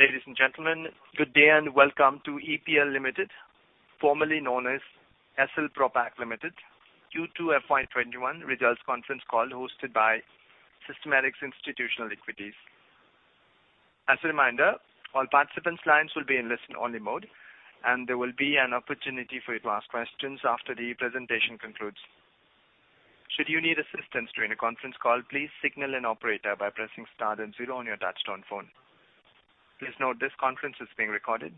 Ladies and gentlemen, good day and welcome to EPL Limited, formerly known as Essel Propack Limited, Q2 FY 2021 results conference call hosted by Systematix Institutional Equities. As a reminder, all participants' lines will be in listen-only mode, and there will be an opportunity for you to ask questions after the presentation concludes. Should you need assistance during the conference call, please signal an operator by pressing star and zero on your touch-tone phone. Please note this conference is being recorded.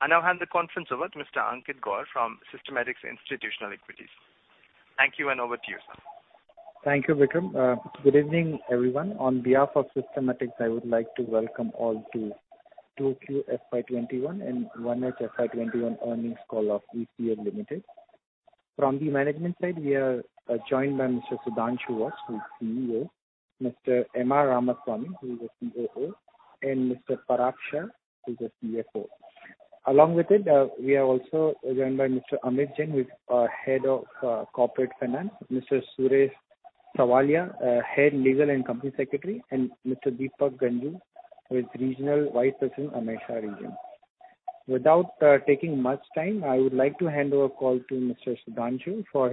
I now hand the conference over to Mr. Ankit Gor from Systematix Institutional Equities. Thank you, and over to you, sir. Thank you, Bikram. Good evening, everyone. On behalf of Systematix, I would like to welcome all to Q2 FY 2021 and one-month FY 2021 earnings call of EPL Limited. From the management side, we are joined by Mr. Sudhanshu Vats, who is CEO; Mr. M.R. Ramasamy, who is the COO; and Mr. Parag Shah, who is the CFO. Along with it, we are also joined by Mr. Amit Jain, who is our Head of Corporate Finance; Mr. Suresh Savaliya, Head Legal and Company Secretary; and Mr. Deepak Ganjoo, who is Regional Vice President, AMESA region. Without taking much time, I would like to hand over call to Mr. Sudhanshu for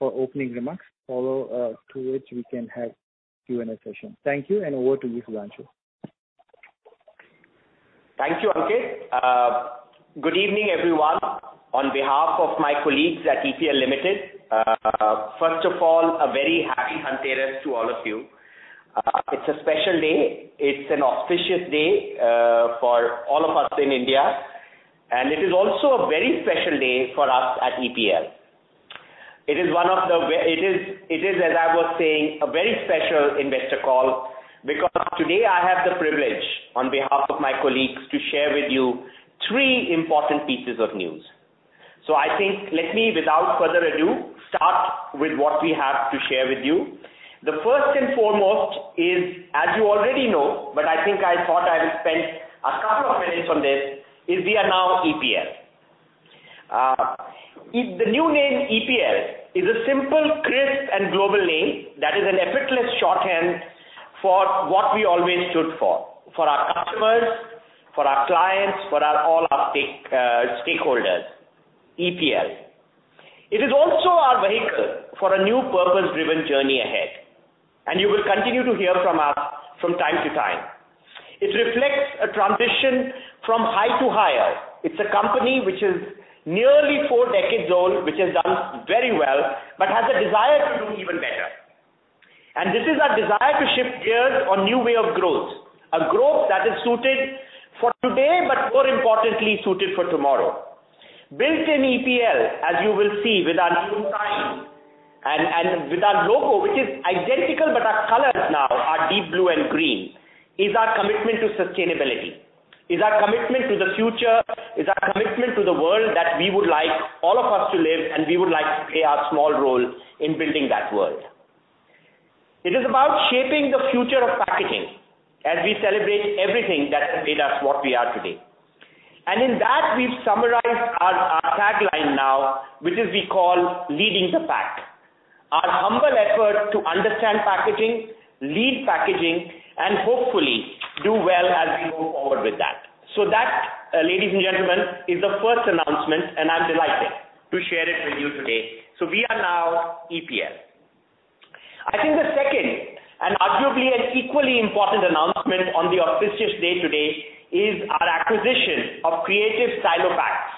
opening remarks, follow to which we can have Q&A session. Thank you, and over to you, Sudhanshu. Thank you, Ankit. Good evening, everyone. On behalf of my colleagues at EPL Limited, first of all, a very happy Dhanteras to all of you. It's a special day. It's an auspicious day for all of us in India, and it is also a very special day for us at EPL. It is, as I was saying, a very special investor call because today I have the privilege, on behalf of my colleagues, to share with you three important pieces of news. I think, let me, without further ado, start with what we have to share with you. The first and foremost is, as you already know, but I think I thought I will spend a couple of minutes on this, is we are now EPL. The new name, EPL, is a simple, crisp, and global name that is an effortless shorthand for what we always stood for our customers, for our clients, for all our stakeholders. EPL. It is also our vehicle for a new purpose-driven journey ahead. You will continue to hear from us from time to time. It reflects a transition from high to higher. It's a company which is nearly four decades old, which has done very well, but has a desire to do even better. This is our desire to shift gears on new way of growth, a growth that is suited for today, but more importantly, suited for tomorrow. Built in EPL, as you will see with our new sign and with our logo, which is identical, but our colors now are deep blue and green, is our commitment to sustainability, is our commitment to the future, is our commitment to the world that we would like all of us to live, and we would like to play our small role in building that world. It is about shaping the future of packaging as we celebrate everything that has made us what we are today. In that, we've summarized our tagline now, which is we call Leading the Pack. Our humble effort to understand packaging, lead packaging, and hopefully, do well as we move forward with that. That, ladies and gentlemen, is the first announcement, and I'm delighted to share it with you today. We are now EPL. I think the second, and arguably an equally important announcement on the auspicious day today, is our acquisition of Creative Stylo Packs.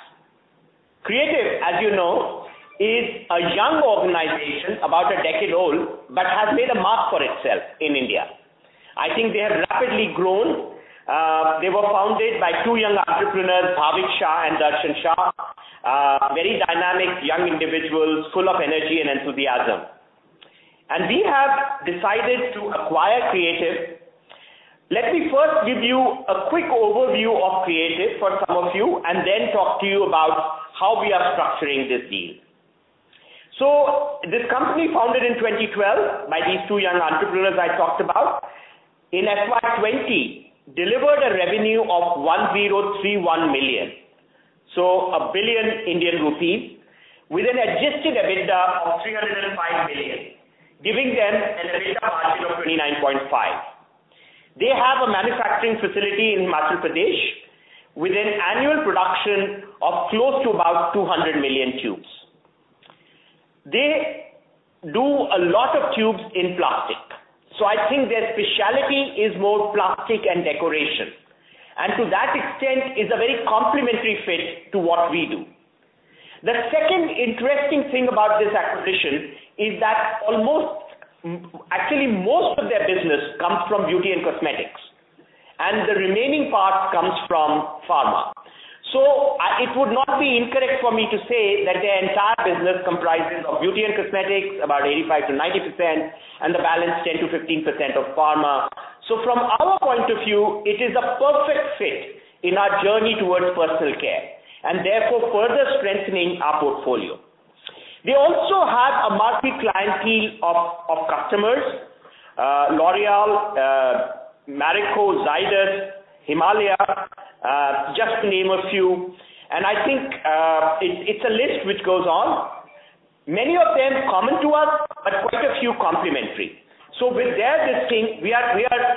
Creative, as you know, is a young organization, about a decade old, but has made a mark for itself in India. I think they have rapidly grown. They were founded by two young entrepreneurs, Bhavik Shah and Darshan Shah. Very dynamic young individuals, full of energy and enthusiasm. We have decided to acquire Creative. Let me first give you a quick overview of Creative for some of you, and then talk to you about how we are structuring this deal. This company founded in 2012 by these two young entrepreneurs I talked about, in FY 2020, delivered a revenue of 1,031 million, so 1 billion Indian rupees, with an adjusted EBITDA of 305 million, giving them an EBITDA margin of 29.5%. They have a manufacturing facility in Madhya Pradesh with an annual production of close to about 200 million tubes. They do a lot of tubes in plastic. I think their specialty is more plastic and decoration, and to that extent, is a very complementary fit to what we do. The second interesting thing about this acquisition is that actually most of their business comes from beauty and cosmetics, and the remaining part comes from pharma. It would not be incorrect for me to say that their entire business comprises of beauty and cosmetics, about 85%-90%, and the balance 10%-15% of pharma. From our point of view, it is a perfect fit in our journey towards personal care, and therefore, further strengthening our portfolio. They also have a marquee clientele of customers, L'Oréal, Marico, Zydus, Himalaya, just to name a few. I think it's a list which goes on. Many of them common to us, but quite a few complementary. With their listing, we are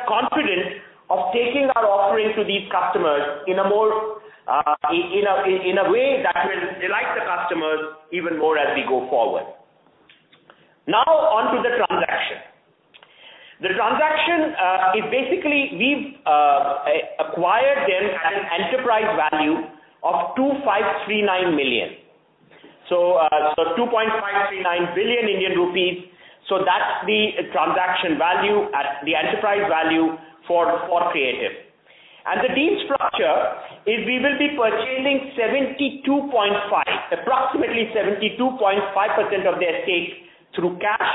confident of taking our offering to these customers in a way that will delight the customers even more as we go forward. On to the transaction. The transaction is basically, we've acquired them at an enterprise value of 2,539 million. 2.539 billion Indian rupees. That's the transaction value at the enterprise value for Creative. The deal structure is we will be purchasing 72.5%, approximately 72.5% of their stake through cash,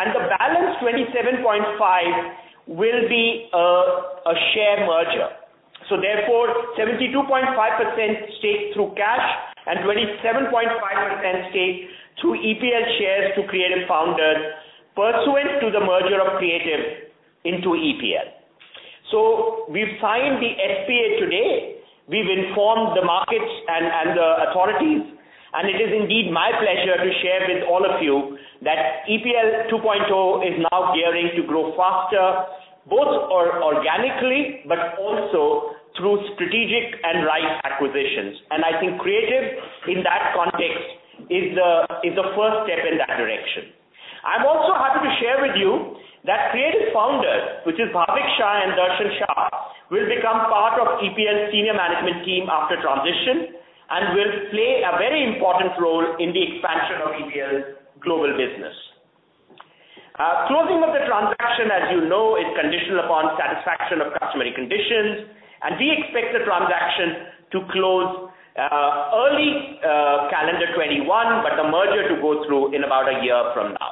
and the balance, 27.5%, will be a share merger. Therefore, 72.5% stake through cash and 27.5% stake through EPL shares to Creative founders pursuant to the merger of Creative into EPL. We've signed the SPA today. We've informed the markets and the authorities. It is indeed my pleasure to share with all of you that EPL 2.0 is now gearing to grow faster, both organically, but also through strategic and right acquisitions. I think Creative, in that context, is the first step in that direction. I'm also happy to share with you that Creative founders, which is Bhavik Shah and Darshan Shah, will become part of EPL's senior management team after transition and will play a very important role in the expansion of EPL's global business. Closing of the transaction, as you know, is conditional upon satisfaction of customary conditions, and we expect the transaction to close early calendar 2021, but the merger to go through in about a year from now.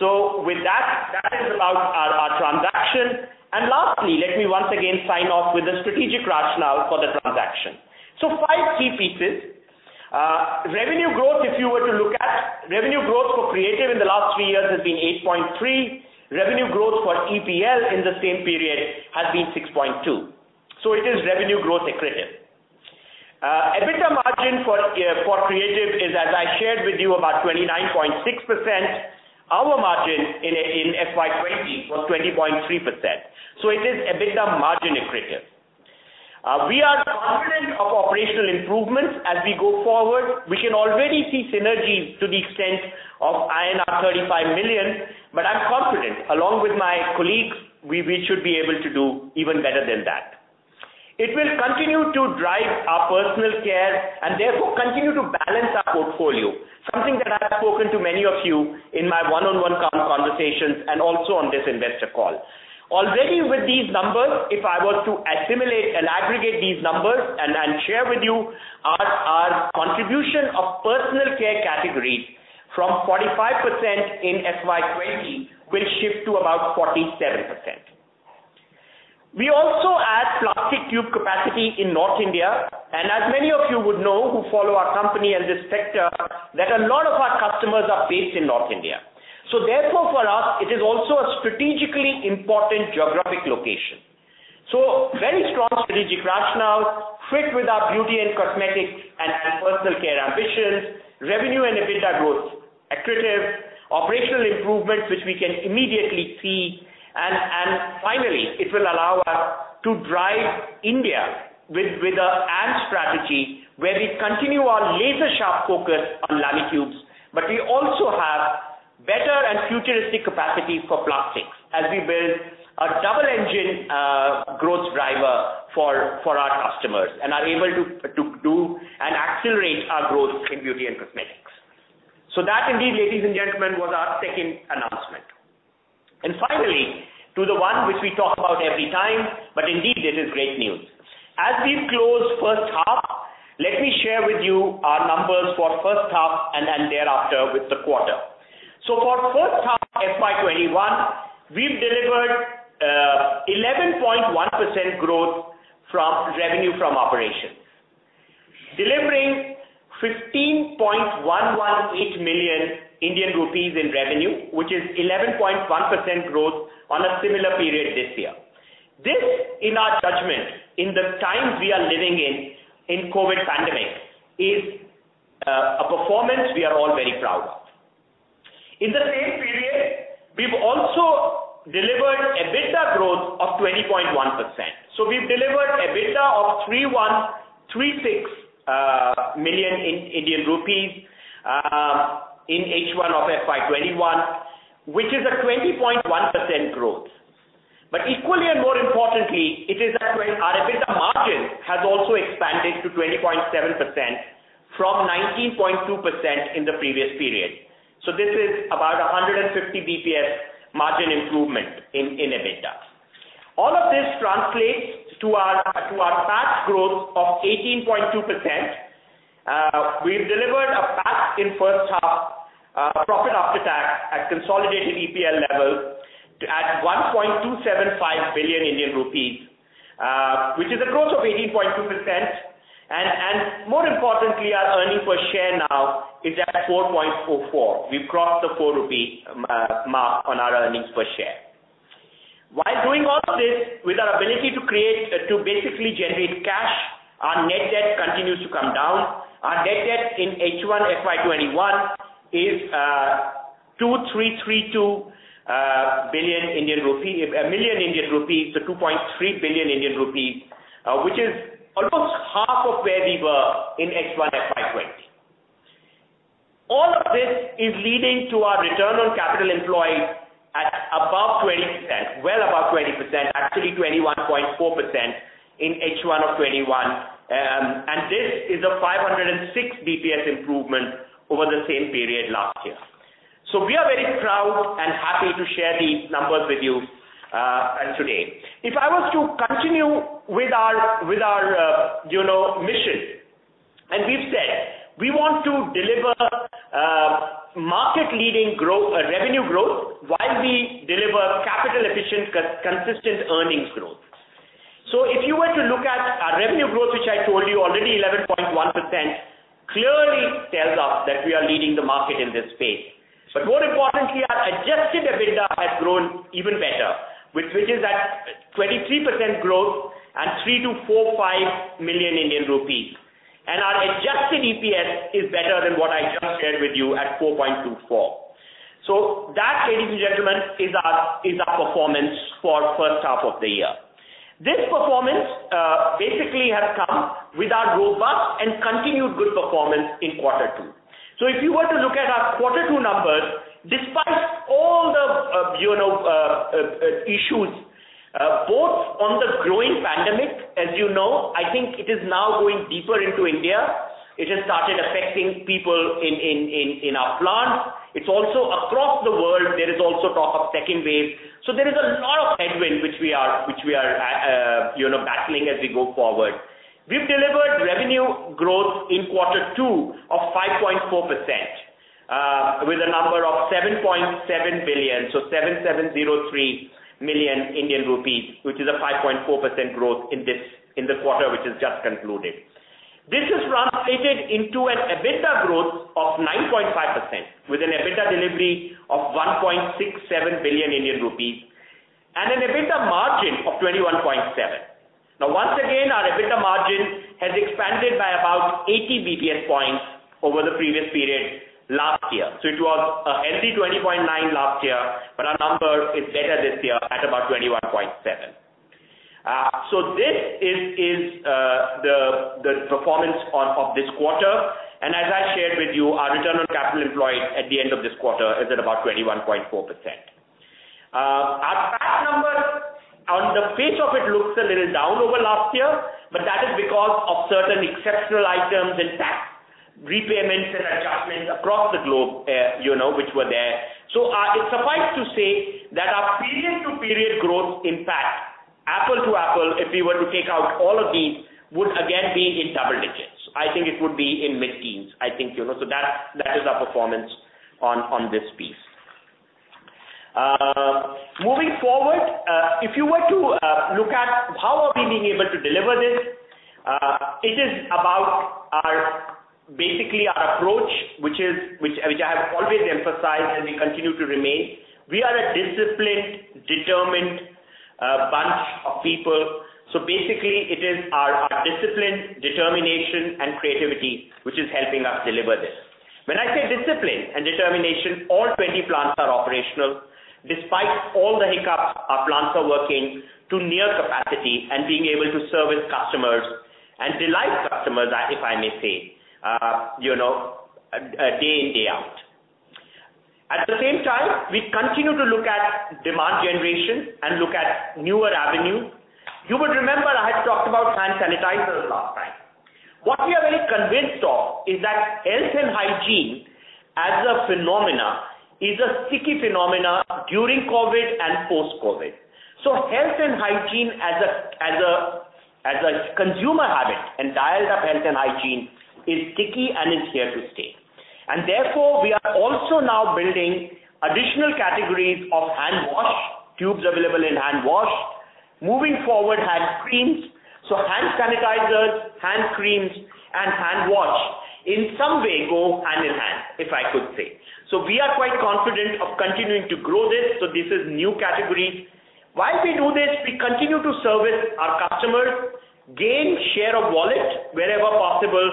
With that is about our transaction. Lastly, let me once again sign off with the strategic rationale for the transaction. Five key features. Revenue growth, if you were to look at, revenue growth for Creative in the last three years has been 8.3. Revenue growth for EPL in the same period has been 6.2. It is revenue growth accretive. EBITDA margin for Creative is, as I shared with you, about 29.6%. Our margin in FY 2020 was 20.3%, so it is EBITDA margin accretive. We are confident of operational improvements as we go forward. We can already see synergies to the extent of INR 35 million, but I'm confident, along with my colleagues, we should be able to do even better than that. It will continue to drive our personal care and therefore continue to balance our portfolio, something that I've spoken to many of you in my one-on-one conversations and also on this investor call. Already with these numbers, if I were to assimilate and aggregate these numbers and share with you our contribution of personal care categories from 45% in FY 2020 will shift to about 47%. We also add plastic tube capacity in North India, and as many of you would know, who follow our company and this sector, that a lot of our customers are based in North India. Therefore, for us, it is also a strategically important geographic location. Very strong strategic rationale, fit with our beauty and cosmetics and personal care ambitions, revenue and EBITDA growth accretive, operational improvements which we can immediately see, and finally, it will allow us to drive India with our AND strategy, where we continue our laser sharp focus on lamitubes, but we also have better and futuristic capacity for plastics as we build a double engine growth driver for our customers and are able to do and accelerate our growth in beauty and cosmetics. That indeed, ladies and gentlemen, was our second announcement. Finally, to the one which we talk about every time, but indeed it is great news. As we've closed first half, let me share with you our numbers for first half and thereafter with the quarter. For H1 FY 2021, we've delivered 11.1% growth from revenue from operations, delivering 15.118 million Indian rupees in revenue, which is 11.1% growth on a similar period this year. This, in our judgment, in the times we are living in COVID pandemic, is a performance we are all very proud of. In the same period, we've also delivered EBITDA growth of 20.1%. We've delivered EBITDA of 3,136 million Indian rupees in H1 FY 2021, which is a 20.1% growth. Equally and more importantly, it is that our EBITDA margin has also expanded to 20.7% from 19.2% in the previous period. This is about 150 basis points margin improvement in EBITDA. All of this translates to our PAT growth of 18.2%. We've delivered a PAT in first half, profit after tax at consolidated EPL level at 1.275 billion Indian rupees, which is a growth of 18.2%, and more importantly, our earnings per share now is at 4.44. We've crossed the 4 rupee mark on our earnings per share. While doing all of this, with our ability to basically generate cash, our net debt continues to come down. Our net debt in H1 FY 2021 is 2,332 million Indian rupees, so 2.3 billion Indian rupees which is almost half of where we were in H1 FY 2020. All of this is leading to our return on capital employed at above 20%, well above 20%, actually 21.4% in H1 of 2021. This is a 506 BPS improvement over the same period last year. We are very proud and happy to share these numbers with you today. If I was to continue with our mission, we've said we want to deliver market-leading revenue growth while we deliver capital-efficient, consistent earnings growth. If you were to look at our revenue growth, which I told you already, 11.1%, clearly tells us that we are leading the market in this space. More importantly, our adjusted EBITDA has grown even better, which is at 23% growth and 3 million to 4, million 5 million Indian rupees. Our adjusted EPS is better than what I just shared with you at 4.24. That, ladies and gentlemen, is our performance for the first half of the year. This performance basically has come with our robust and continued good performance in quarter two. If you were to look at our quarter two numbers, despite all the issues, both on the growing pandemic as you know, I think it is now going deeper into India. It has started affecting people in our plants. It's also across the world, there is also talk of second wave. There is a lot of headwind which we are battling as we go forward. We've delivered revenue growth in quarter two of 5.4%, with a number of 7.7 billion, 7,703 million Indian rupees, which is a 5.4% growth in this quarter which has just concluded. This has translated into an EBITDA growth of 9.5%, with an EBITDA delivery of 1.67 billion Indian rupees and an EBITDA margin of 21.7%. Once again, our EBITDA margin has expanded by about 80 basis points over the previous period last year. It was a healthy 20.9 last year, but our number is better this year at about 21.7. This is the performance of this quarter. As I shared with you, our return on capital employed at the end of this quarter is at about 21.4%. Our tax number on the face of it looks a little down over last year, but that is because of certain exceptional items and tax repayments and adjustments across the globe which were there. It suffices to say that our period-to-period growth impact, apple to apple, if we were to take out all of these, would again be in double digits. I think it would be in mid-teens. That is our performance on this piece. Moving forward, if you were to look at how are we being able to deliver this, it is about basically our approach, which I have always emphasized and will continue to remain. We are a disciplined, determined bunch of people. Basically, it is our discipline, determination, and creativity, which is helping us deliver this. When I say discipline and determination, all 20 plants are operational. Despite all the hiccups, our plants are working to near capacity and being able to service customers and delight customers, if I may say, day in, day out. At the same time, we continue to look at demand generation and look at newer avenues. You would remember I had talked about hand sanitizers last time. What we are very convinced of is that health and hygiene as a phenomena is a sticky phenomena during COVID and post-COVID. Health and hygiene as a consumer habit, and dialed-up health and hygiene is sticky and is here to stay. Therefore, we are also now building additional categories of hand wash, tubes available in hand wash. Moving forward, hand creams. Hand sanitizers, hand creams, and hand wash in some way go hand in hand, if I could say. We are quite confident of continuing to grow this is a new category. While we do this, we continue to service our customers, gain share of wallet wherever possible,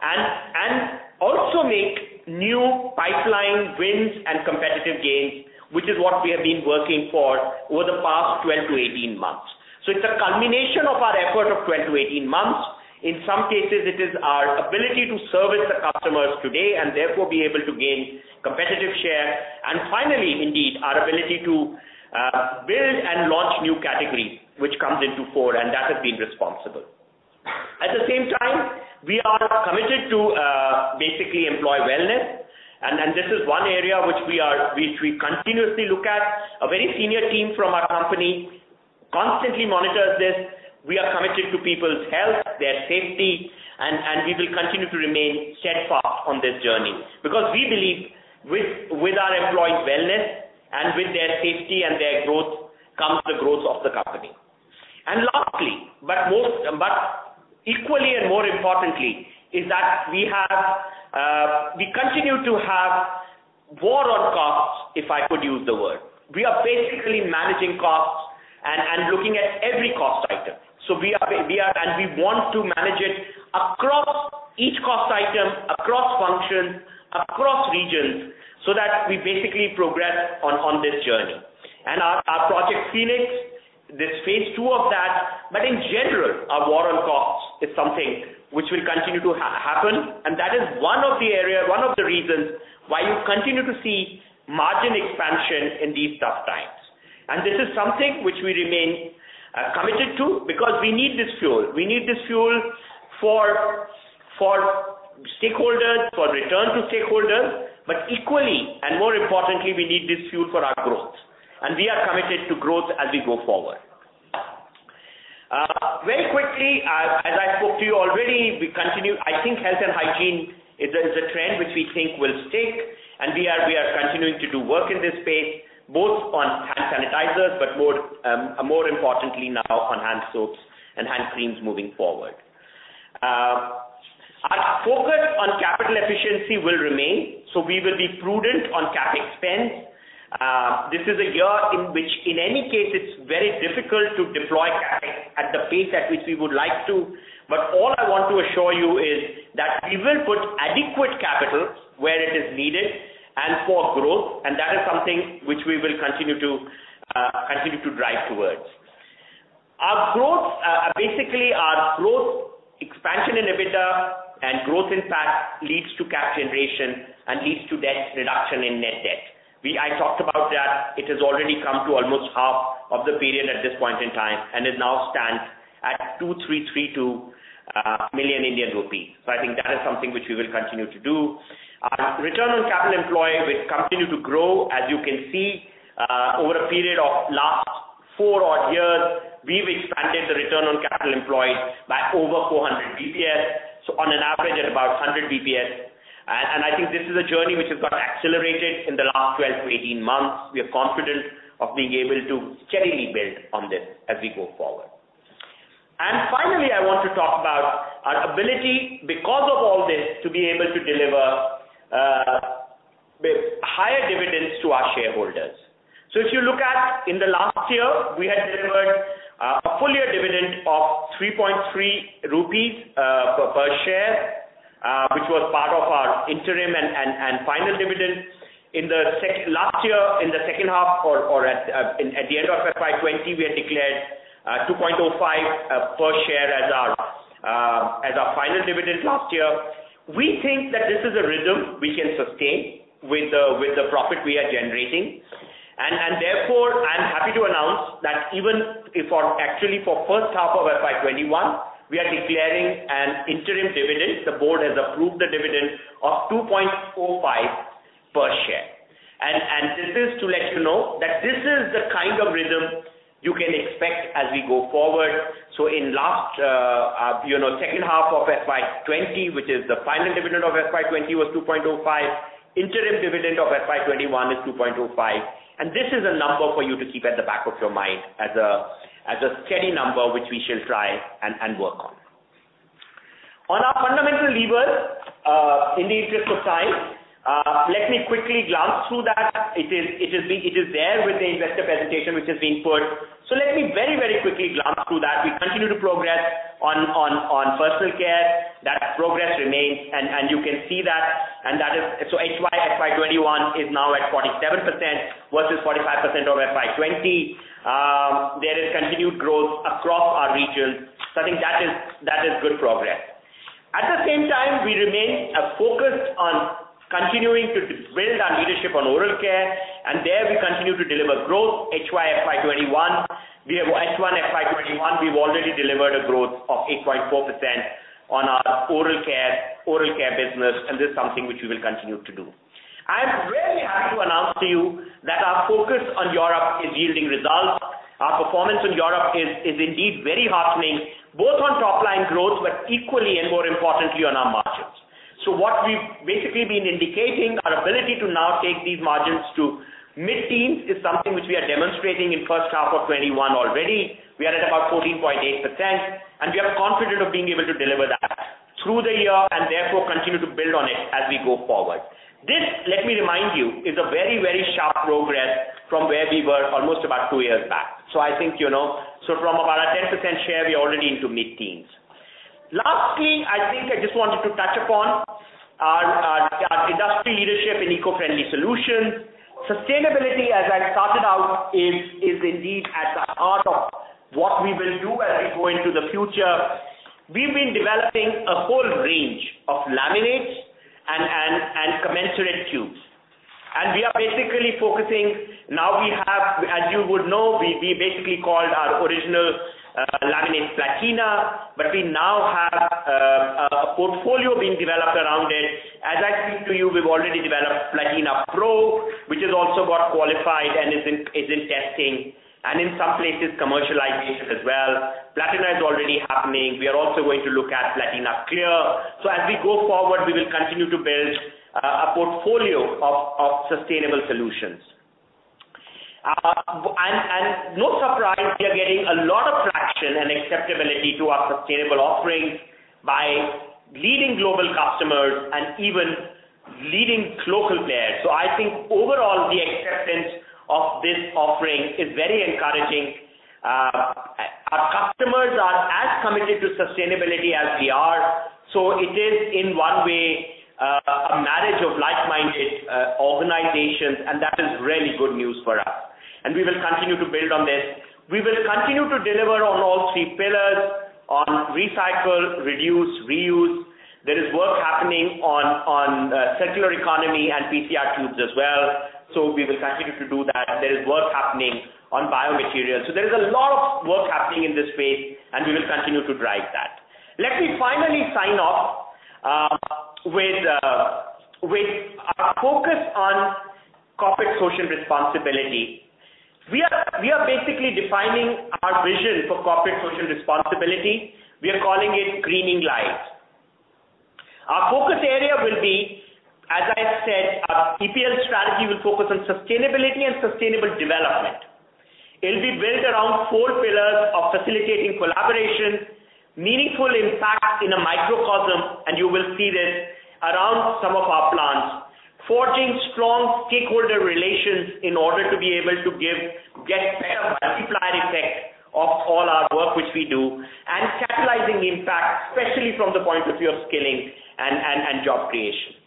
and also make new pipeline wins and competitive gains, which is what we have been working for over the past 12-18 months. It's a culmination of our effort of 12-18 months. In some cases, it is our ability to service the customers today and therefore be able to gain competitive share. Finally, indeed, our ability to build and launch new categories, which comes into four, and that has been responsible. At the same time, we are committed to basically employee wellness, and this is one area which we continuously look at. A very senior team from our company constantly monitors this. We are committed to people's health, their safety, and we will continue to remain steadfast on this journey. We believe with our employees' wellness and with their safety and their growth, comes the growth of the company. Lastly, but equally and more importantly is that we continue to have war on costs, if I could use the word. We are basically managing costs and looking at every cost item. We want to manage it across each cost item, across functions, across regions, so that we basically progress on this journey. Our Project Phoenix, there's phase II of that, but in general, our war on costs is something which will continue to happen, and that is one of the area, one of the reasons why you continue to see margin expansion in these tough times. This is something which we remain committed to because we need this fuel. We need this fuel for stakeholders, for return to stakeholders, but equally and more importantly, we need this fuel for our growth, and we are committed to growth as we go forward. Very quickly, as I spoke to you already, I think health and hygiene is a trend which we think will stick, and we are continuing to do work in this space, both on hand sanitizers, but more importantly now on hand soaps and hand creams moving forward. Our focus on capital efficiency will remain. We will be prudent on CapEx spends. This is a year in which, in any case, it's very difficult to deploy at the pace at which we would like to. All I want to assure you is that we will put adequate capital where it is needed and for growth, and that is something which we will continue to drive towards. Basically our growth expansion in EBITDA and growth in PAT leads to cash generation and leads to debt reduction in net debt. I talked about that it has already come to almost half of the period at this point in time and it now stands at 2,332 million Indian rupees. I think that is something which we will continue to do. Our return on capital employed will continue to grow, as you can see, over a period of last four odd years, we've expanded the return on capital employed by over 400 basis points, so on an average at about 100 basis points. I think this is a journey which has got accelerated in the last 12-18 months. We are confident of being able to steadily build on this as we go forward. Finally, I want to talk about our ability, because of all this, to be able to deliver higher dividends to our shareholders. If you look at in the last year, we had delivered a full year dividend of 3.30 rupees per share, which was part of our interim and final dividend. Last year in the second half or at the end of FY 2020, we had declared 2.05 per share as our final dividend last year. We think that this is a rhythm we can sustain with the profit we are generating. Therefore, I'm happy to announce that even for actually for first half of FY 2021, we are declaring an interim dividend. The board has approved the dividend of 2.45 per share. This is to let you know that this is the kind of rhythm you can expect as we go forward. In last second half of FY 2020, which is the final dividend of FY 2020 was 2.05, interim dividend of FY 2021 is 2.05, this is a number for you to keep at the back of your mind as a steady number, which we shall try and work on. On our fundamental levers, in the interest of time, let me quickly glance through that. It is there with the investor presentation which has been put. Let me very quickly glance through that. We continue to progress on personal care. That progress remains, and you can see that. H1 FY 2021 is now at 47% versus 45% of FY 2020. There is continued growth across our regions. I think that is good progress. At the same time, we remain focused on continuing to build our leadership on oral care, and there we continue to deliver growth H1 FY 2021. We've already delivered a growth of 8.4% on our oral care business, and this is something which we will continue to do. I'm very happy to announce to you that our focus on Europe is yielding results. Our performance in Europe is indeed very heartening, both on top line growth, but equally and more importantly on our margins. What we've basically been indicating, our ability to now take these margins to mid-teens is something which we are demonstrating in first half of 2021 already. We are at about 14.8%. We are confident of being able to deliver that through the year and therefore continue to build on it as we go forward. This, let me remind you, is a very, very sharp progress from where we were almost about two years back. From about a 10% share, we are already into mid-teens. Lastly, I think I just wanted to touch upon our industry leadership in eco-friendly solutions. Sustainability, as I started out, is indeed at the heart of what we will do as we go into the future. We've been developing a whole range of laminates and commensurate tubes. We are basically focusing, now we have, as you would know, we basically called our original laminate Platina. We now have a portfolio being developed around it. As I speak to you, we've already developed Platina Pro, which has also got qualified and is in testing, and in some places commercialization as well. Platina is already happening. We are also going to look at Platina Clear. As we go forward, we will continue to build a portfolio of sustainable solutions. No surprise, we are getting a lot of traction and acceptability to our sustainable offerings by leading global customers and even leading local players. I think overall, the acceptance of this offering is very encouraging. Our customers are as committed to sustainability as we are. It is in one way, a marriage of like-minded organizations, and that is really good news for us. We will continue to build on this. We will continue to deliver on all three pillars, on recycle, reduce, reuse. There is work happening on circular economy and PCR tubes as well. We will continue to do that. There is work happening on biomaterials. There is a lot of work happening in this space, and we will continue to drive that. Let me finally sign off with our focus on corporate social responsibility. We are basically defining our vision for corporate social responsibility. We are calling it Greening Lives. Our focus area will be, as I said, our EPL strategy will focus on sustainability and sustainable development. It will be built around four pillars of facilitating collaboration, meaningful impact in a microcosm, and you will see this around some of our plants, forging strong stakeholder relations in order to be able to get better multiplier effect of all our work which we do, and catalyzing impact, especially from the point of view of skilling and job creation.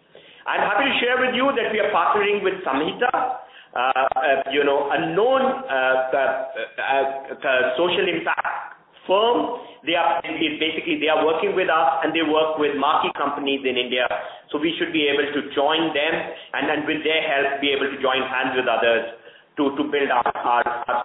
I'm happy to share with you that we are partnering with Samhita, a known social impact firm. Basically, they are working with us, and they work with market companies in India. We should be able to join them, and with their help, be able to join hands with others to build our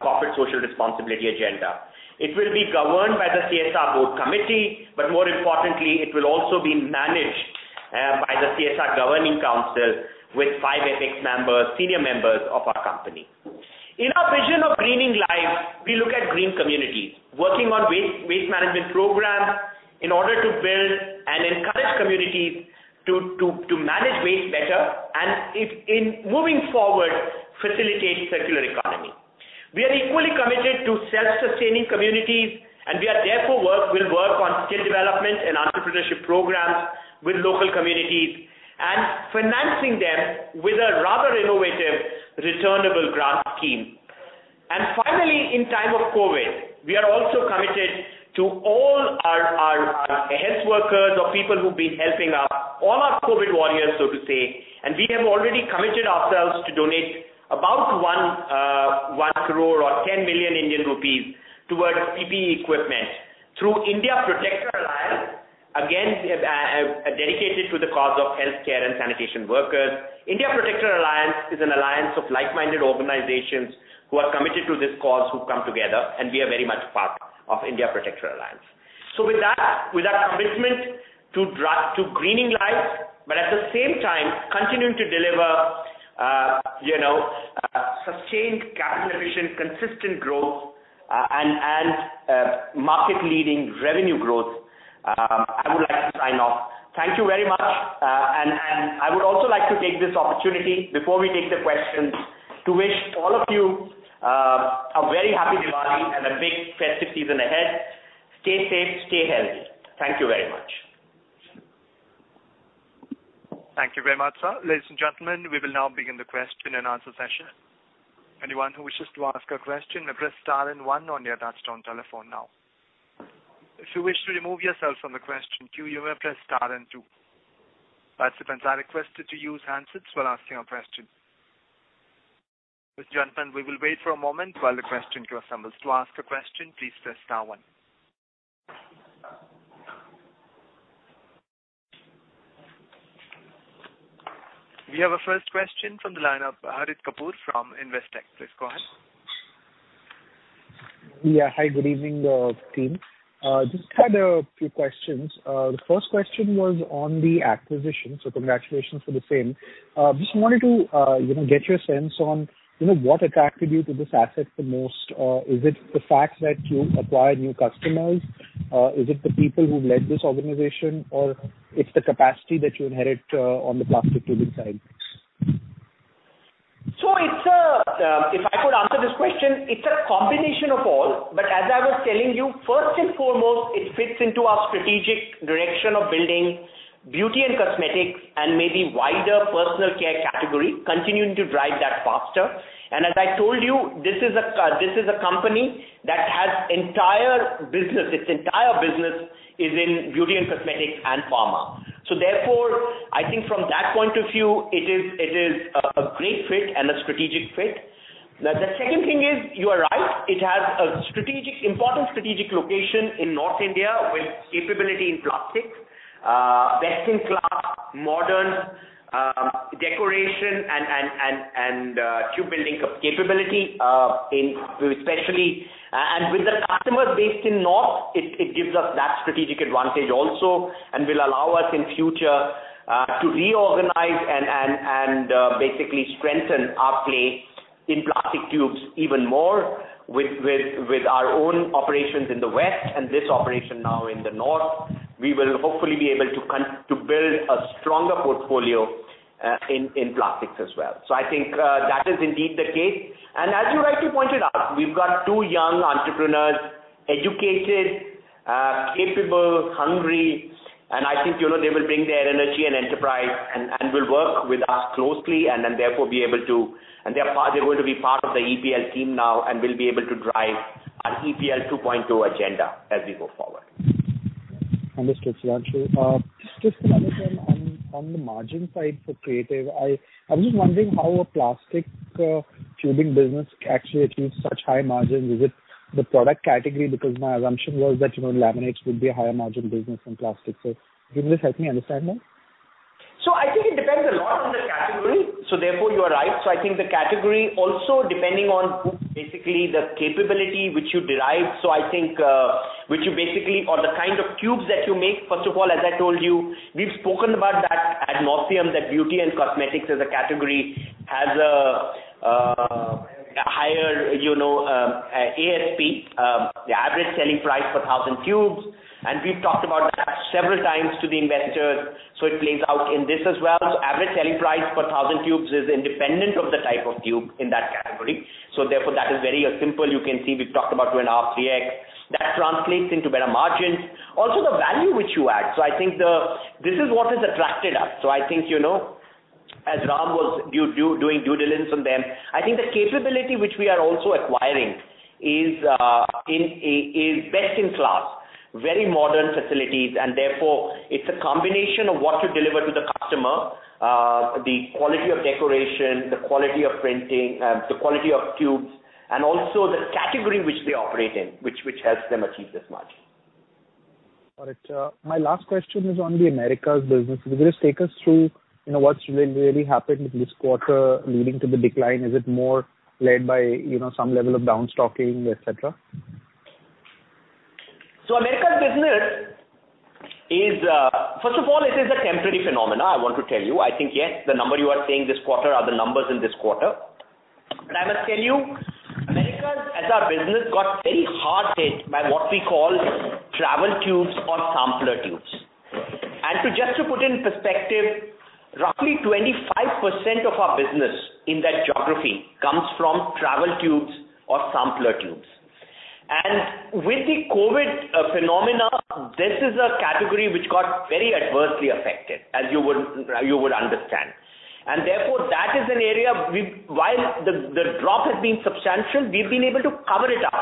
corporate social responsibility agenda. It will be governed by the CSR Board Committee, but more importantly, it will also be managed by the CSR Governing Council with five ethics members, senior members of our company. In our vision of Greening Lives, we look at green communities, working on waste management programs in order to build and encourage communities to manage waste better, in moving forward, facilitate circular economy. We are equally committed to self-sustaining communities, and we are therefore will work on skill development and entrepreneurship programs with local communities and financing them with a rather innovative returnable grant scheme. Finally, in time of COVID, we are also committed to all our health workers or people who've been helping us, all our COVID warriors, so to say. We have already committed ourselves to donate about 1 crore or 10 million Indian rupees towards PPE equipment through India Protectors Alliance. Again, dedicated to the cause of healthcare and sanitation workers. India Protectors Alliance is an alliance of like-minded organizations who are committed to this cause who've come together, and we are very much part of India Protectors Alliance. With our commitment to Greening Lives, but at the same time, continuing to deliver sustained capital efficient, consistent growth, and market-leading revenue growth, I would like to sign off. Thank you very much. I would also like to take this opportunity before we take the questions to wish all of you a very happy Diwali and a big festive season ahead. Stay safe, stay healthy. Thank you very much. Thank you very much, sir. Ladies and gentlemen, we will now begin the question and answer session. Anyone who wishes to ask a question may press star and one on your touchtone telephone now. If you wish to remove yourself from the question queue, you may press star and two. Participants are requested to use handsets while asking a question. Ladies and gentlemen, we will wait for a moment while the question queue assembles. To ask a question, please press star one. We have our first question from the line of Harit Kapoor from Investec. Please go ahead. Yeah. Hi, good evening team. Just had a few questions. The first question was on the acquisition, congratulations for the same. Just wanted to get your sense on what attracted you to this asset the most. Is it the fact that you acquired new customers? Is it the people who've led this organization, or it's the capacity that you inherit on the plastic tubing side? If I could answer this question, it's a combination of all. As I was telling you, first and foremost, it fits into our strategic direction of building beauty and cosmetics and maybe wider personal care category, continuing to drive that faster. As I told you, this is a company that its entire business is in beauty and cosmetics and pharma. Therefore, I think from that point of view, it is a great fit and a strategic fit. The second thing is, you are right, it has an important strategic location in North India with capability in plastics, best-in-class modern decoration and tube building capability, especially. With the customers based in North, it gives us that strategic advantage also and will allow us in future to reorganize and basically strengthen our place in plastic tubes even more with our own operations in the West and this operation now in the North. We will hopefully be able to build a stronger portfolio in plastics as well. I think that is indeed the case. As you rightly pointed out, we've got two young entrepreneurs, educated, capable, hungry, and I think they will bring their energy and enterprise and will work with us closely and then therefore they're going to be part of the EPL team now and will be able to drive our EPL 2.0 agenda as we go forward. Understood, Sir. Just another one on the margin side for Creative, I am just wondering how a plastic tubing business actually achieves such high margins. Is it the product category? My assumption was that lamitubes would be a higher margin business than plastic. Can you just help me understand that? I think it depends a lot on the category, therefore you are right. I think the category also depending on the capability which you derive. I think, which you or the kind of tubes that you make. First of all, as I told you, we've spoken about that ad nauseam, that beauty and cosmetics as a category has a higher ASP, the average selling price per thousand tubes. We've talked about that several times to the investors. It plays out in this as well. Average selling price per thousand tubes is independent of the type of tube in that category. Therefore that is very simple. You can see we've talked about 2.5x, 3x. That translates into better margins. Also the value which you add. I think this is what has attracted us. I think, as Ram was doing due diligence on them, I think the capability which we are also acquiring is best in class, very modern facilities, and therefore it's a combination of what you deliver to the customer, the quality of decoration, the quality of printing, the quality of tubes, and also the category which they operate in, which helps them achieve this margin. Got it. My last question is on the Americas business. Will you just take us through what's really happened this quarter leading to the decline? Is it more led by some level of downstocking, et cetera? Americas business, first of all, it is a temporary phenomena, I want to tell you. I think, yes, the number you are saying this quarter are the numbers in this quarter. I must tell you, Americas as our business got very hard hit by what we call travel tubes or sampler tubes. Just to put in perspective, roughly 25% of our business in that geography comes from travel tubes or sampler tubes. With the COVID phenomena, this is a category which got very adversely affected as you would understand. Therefore that is an area while the drop has been substantial, we've been able to cover it up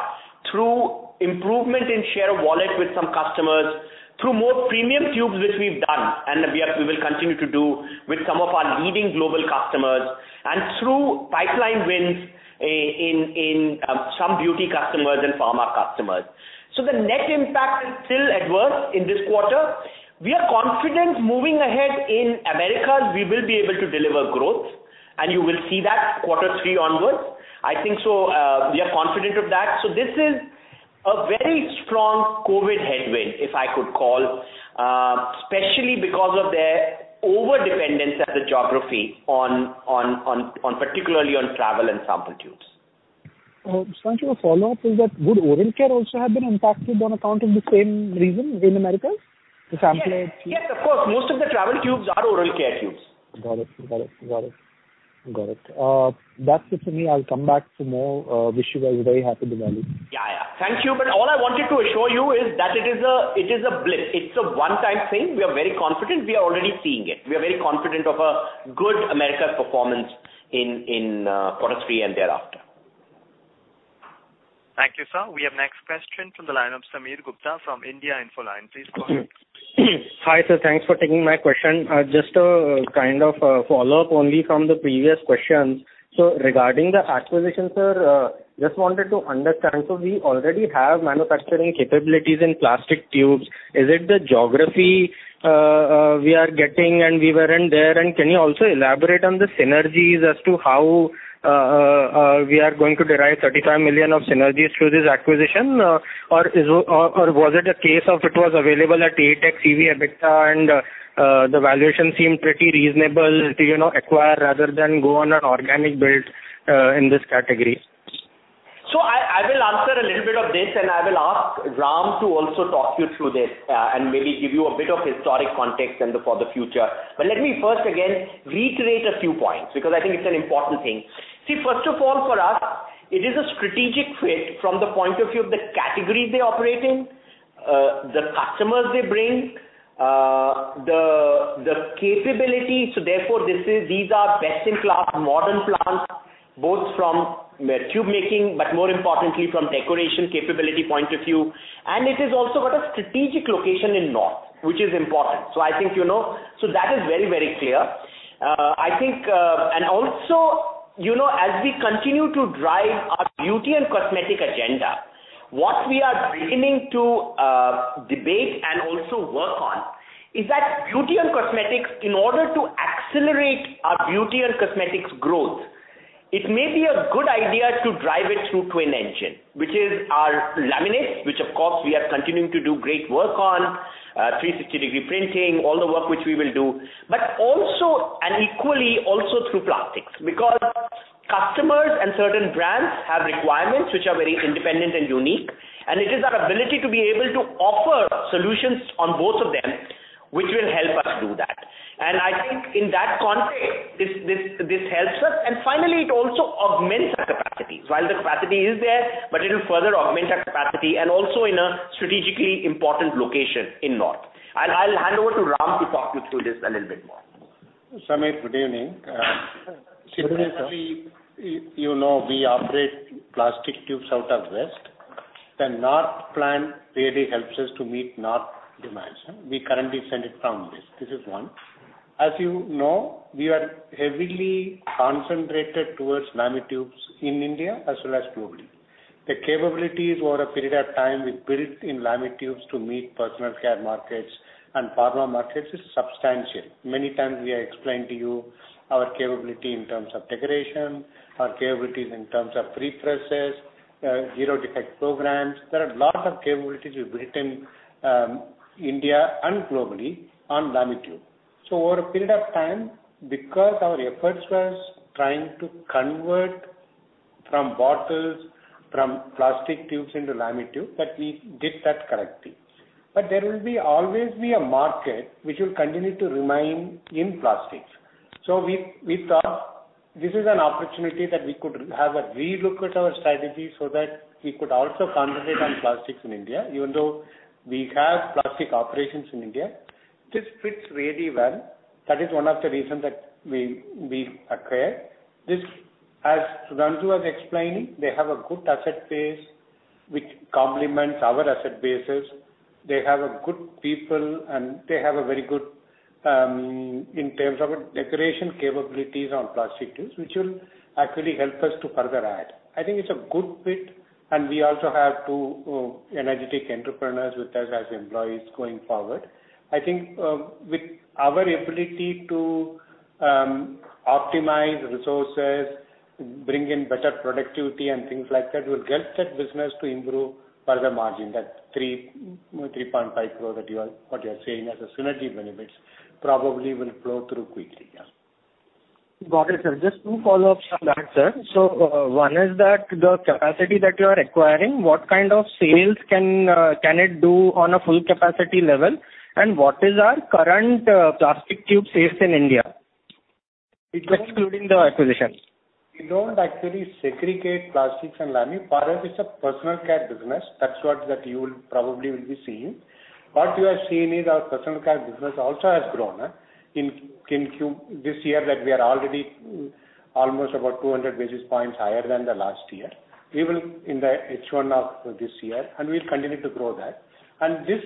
through improvement in share of wallet with some customers, through more premium tubes, which we've done, and we will continue to do with some of our leading global customers, and through pipeline wins in some beauty customers and pharma customers. The net impact is still adverse in this quarter. We are confident moving ahead in Americas, we will be able to deliver growth, and you will see that quarter three onwards. I think so, we are confident of that. This is a very strong COVID headwind, if I could call, especially because of their overdependence as a geography, particularly on travel and sampler tubes. Siraj, a follow-up is that would oral care also have been impacted on account of the same reason in Americas, the sampler tubes? Yes, of course. Most of the travel tubes are oral care tubes. Got it. That's it for me. I'll come back for more. Wish you guys a very happy Diwali. Yeah. Thank you. All I wanted to assure you is that it is a blip. It's a one-time thing. We are very confident. We are already seeing it. We are very confident of a good Americas performance in quarter three and thereafter. Thank you, sir. We have next question from the line of Sameer Gupta from India Infoline. Please go ahead. Hi, sir. Thanks for taking my question. Just a kind of a follow-up only from the previous questions. Regarding the acquisition, sir, just wanted to understand. We already have manufacturing capabilities in plastic tubes. Is it the geography we are getting and we weren't there? Can you also elaborate on the synergies as to how we are going to derive 35 million of synergies through this acquisition? Was it a case of it was available at 8x EV/EBITDA and the valuation seemed pretty reasonable to acquire rather than go on an organic build in this category? I will answer a little bit of this, and I will ask Ram to also talk you through this, and maybe give you a bit of historic context and for the future. Let me first again reiterate a few points, because I think it's an important thing. First of all, for us, it is a strategic fit from the point of view of the category they operate in, the customers they bring, the capability. Therefore these are best-in-class modern plants, both from tube making, but more importantly from decoration capability point of view. It has also got a strategic location in north, which is important. That is very, very clear. Also, as we continue to drive our beauty and cosmetic agenda, what we are beginning to debate and also work on is that beauty and cosmetics, in order to accelerate our beauty and cosmetics growth, it may be a good idea to drive it through twin engine, which is our lamitubes, which of course we are continuing to do great work on, 360-degree printing, all the work which we will do, but also and equally through plastics. Because customers and certain brands have requirements which are very independent and unique, and it is our ability to be able to offer solutions on both of them, which will help us do that. I think in that context, this helps us. Finally, it also augments our capacity. While the capacity is there, but it will further augment our capacity, and also in a strategically important location in North. I'll hand over to Ram to talk you through this a little bit more. Sameer, good evening. Good evening, sir. Simply, you know, we operate plastic tubes out of West. The North plant really helps us to meet North demands. We currently send it from this. This is one. As you know, we are heavily concentrated towards lamitubes in India as well as globally. The capabilities over a period of time we built in lamitubes to meet personal care markets and pharma markets is substantial. Many times we have explained to you our capability in terms of decoration, our capabilities in terms of pre-presses, zero defect programs. There are lots of capabilities we've built in India and globally on lamitube. Over a period of time, because our efforts was trying to convert from bottles, from plastic tubes into lamitube, that we did that correctly. There will always be a market which will continue to remain in plastics. We thought this is an opportunity that we could have a relook at our strategy so that we could also concentrate on plastics in India. Even though we have plastic operations in India, this fits really well. That is one of the reasons that we acquired this. As Sudhanshu was explaining, they have a good asset base, which complements our asset bases. They have a good people, and they have a very good in terms of decoration capabilities on plastic tubes, which will actually help us to further add. I think it's a good fit, and we also have two energetic entrepreneurs with us as employees going forward. I think with our ability to optimize resources, bring in better productivity and things like that, will help that business to improve further margin. That 3.5 crore, what you are saying as a synergy benefits, probably will flow through quickly, yeah. Got it, sir. Just two follow-ups on that, sir. One is that the capacity that you are acquiring, what kind of sales can it do on a full capacity level? What is our current plastic tube sales in India, excluding the acquisitions? We don't actually segregate plastics and lami. For us, it's a personal care business. That's what that you will probably will be seeing. What you are seeing is our personal care business also has grown. This year that we are already almost about 200 basis points higher than the last year, even in the H1 of this year. We'll continue to grow that. This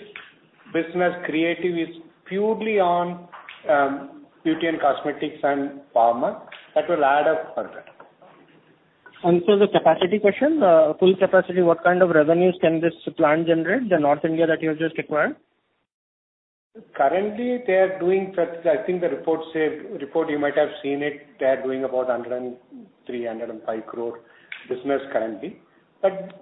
business Creative is purely on beauty and cosmetics and pharma. That will add up further. Sir, the capacity question. Full capacity, what kind of revenues can this plant generate, the North India that you have just acquired? Currently, they are doing I think the report you might have seen it, they are doing about 103 crore-105 crore business currently.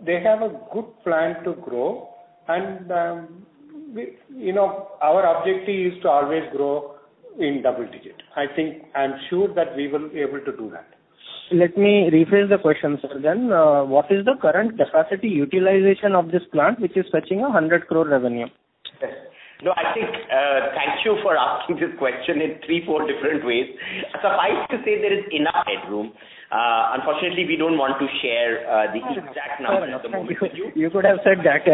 They have a good plan to grow and our objective is to always grow in double digit. I'm sure that we will be able to do that. Let me rephrase the question, sir, then. What is the current capacity utilization of this plant, which is touching 100 crore revenue? I think, thank you for asking this question in three, four different ways. Suffice to say, there is enough headroom. Unfortunately, we don't want to share the exact numbers at the moment with you. Fair enough. Thank you. You could have said that.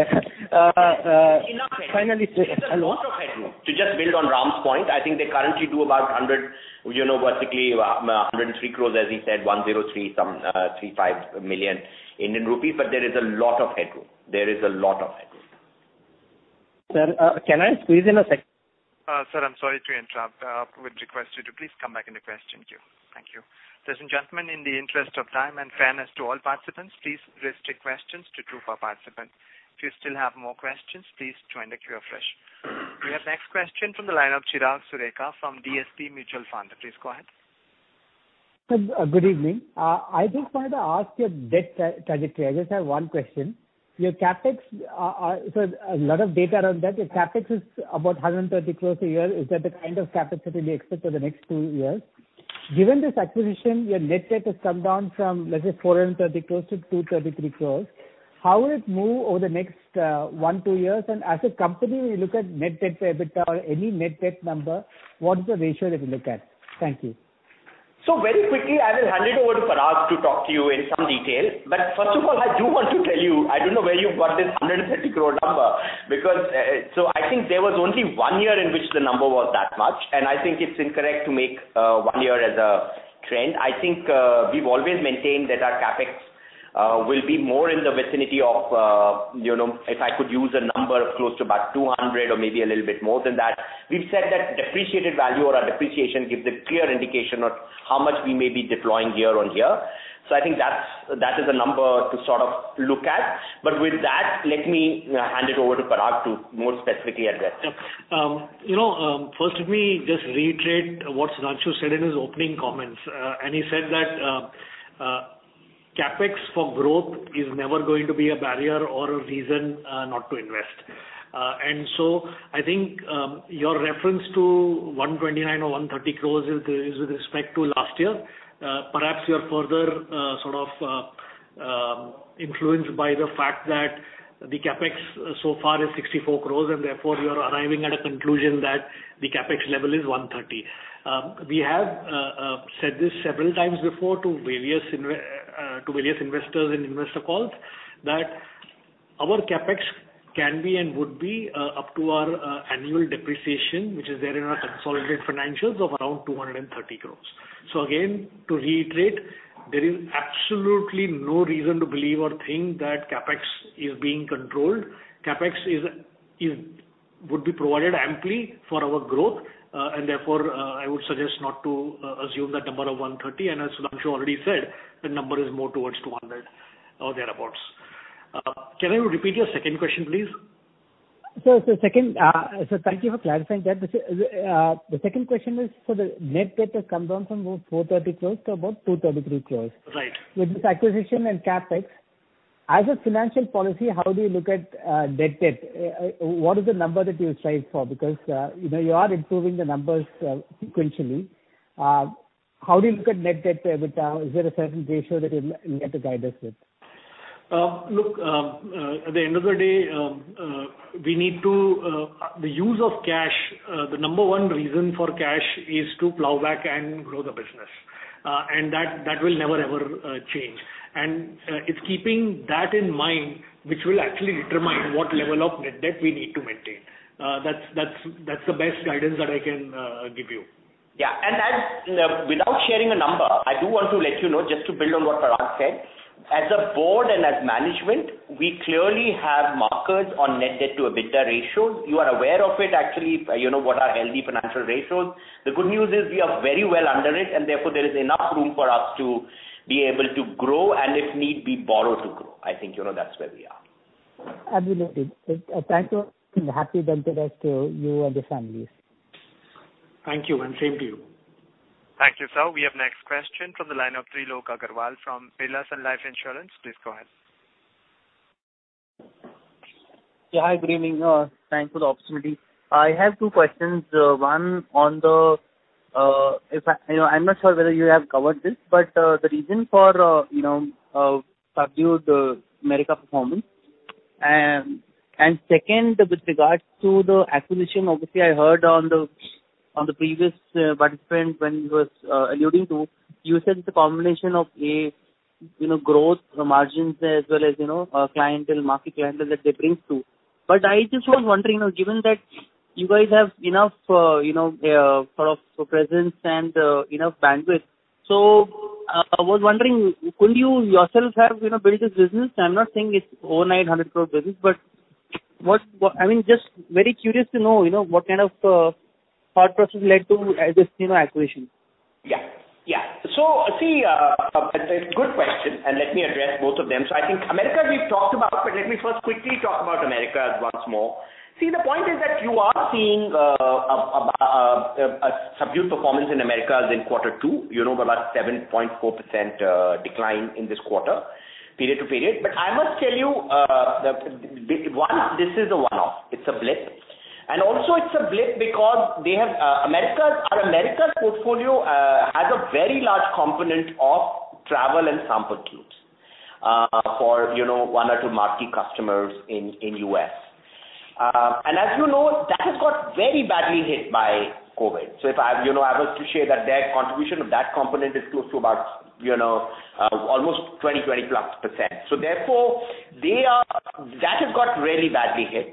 Enough headroom. Finally said. Hello? There's a lot of headroom. To just build on Ram's point, I think they currently do about basically 103 crores, as he said, 103 some, 3 million-5 million Indian rupees. There is a lot of headroom. There is a lot of headroom. Sir, can I squeeze in a sec? Sir, I'm sorry to interrupt. Would request you to please come back into question queue. Thank you. Ladies and gentlemen, in the interest of time and fairness to all participants, please restrict questions to two per participant. If you still have more questions, please join the queue afresh. We have next question from the line of Chirag Sureka from DSP Mutual Fund. Please go ahead. Sir, good evening. I just wanted to ask your debt trajectory. I just have one question. Your CapEx, so a lot of data around that. Your CapEx is about 130 crores a year. Is that the kind of CapEx that will be expected for the next two years? Given this acquisition, your net debt has come down from, let's say, 430 crores to 233 crores. How will it move over the next one, two years? As a company, when you look at net debt to EBITDA or any net debt number, what is the ratio that you look at? Thank you. Very quickly, I will hand it over to Parag to talk to you in some detail. First of all, I do want to tell you, I don't know where you got this 130 crore number. I think there was only one year in which the number was that much, and I think it's incorrect to make one year as a trend. I think we've always maintained that our CapEx will be more in the vicinity of, if I could use a number, close to about 200 or maybe a little bit more than that. We've said that depreciated value or our depreciation gives a clear indication of how much we may be deploying year on year. I think that is a number to sort of look at. With that, let me hand it over to Parag to more specifically address. You know, first let me just reiterate what Sudhanshu said in his opening comments. He said that CapEx for growth is never going to be a barrier or a reason not to invest. I think your reference to 129 or 130 crores is with respect to last year. Perhaps you are further sort of influenced by the fact that the CapEx so far is 64 crores and therefore you are arriving at a conclusion that the CapEx level is 130. We have said this several times before to various investors in investor calls that our CapEx can be and would be up to our annual depreciation, which is there in our consolidated financials of around 230 crores. Again, to reiterate, there is absolutely no reason to believe or think that CapEx is being controlled. CaPex would be provided amply for our growth. Therefore, I would suggest not to assume that number of 130. As Anshu already said, the number is more towards 200 or thereabouts. Can I repeat your second question, please? Sir, thank you for clarifying that. The second question is, the net debt has come down from about 430 crores to about 233 crores. Right. With this acquisition and CapEx, as a financial policy, how do you look at net debt? What is the number that you strive for? Because you are improving the numbers sequentially. How do you look at net debt to EBITDA? Is there a certain ratio that you will get to guide us with? Look, at the end of the day, the use of cash, the number one reason for cash is to plow back and grow the business. That will never, ever change. It's keeping that in mind, which will actually determine what level of net debt we need to maintain. That's the best guidance that I can give you. Yeah. Without sharing a number, I do want to let you know, just to build on what Parag said, as a board and as management, we clearly have markers on net debt to EBITDA ratio. You are aware of it, actually. You know what are healthy financial ratios. The good news is we are very well under it, and therefore, there is enough room for us to be able to grow, and if need be, borrow to grow. I think you know that's where we are. Absolutely. Thank you. Happy Diwali to you and the families. Thank you, and same to you. Thank you, sir. We have next question from the line of Trilok Agarwal from Birla Sun Life Insurance. Please go ahead. Hi, good evening. Thanks for the opportunity. I have two questions. One on the, I'm not sure whether you have covered this, the reason for subdued AMESA performance. Second, with regards to the acquisition, obviously, I heard on the previous participant when he was alluding to, you said it's a combination of A, growth, the margins as well as, market share that they bring too. I just was wondering, given that you guys have enough presence and enough bandwidth. I was wondering, couldn't you yourself have built this business? I'm not saying it's overnight 100 crore business, just very curious to know, what kind of thought process led to this acquisition? Yeah. It's a good question, and let me address both of them. I think Americas, we've talked about, but let me first quickly talk about Americas once more. See, the point is that you are seeing a subdued performance in Americas in Q2, about 7.4% decline in this quarter, period to period. I must tell you, one, this is a one-off. It's a blip. Also it's a blip because our Americas portfolio has a very large component of travel and sample tubes for one or two marquee customers in U.S. As you know, that has got very badly hit by COVID. If I was to share that their contribution of that component is close to about almost 20%+. Therefore that has got really badly hit.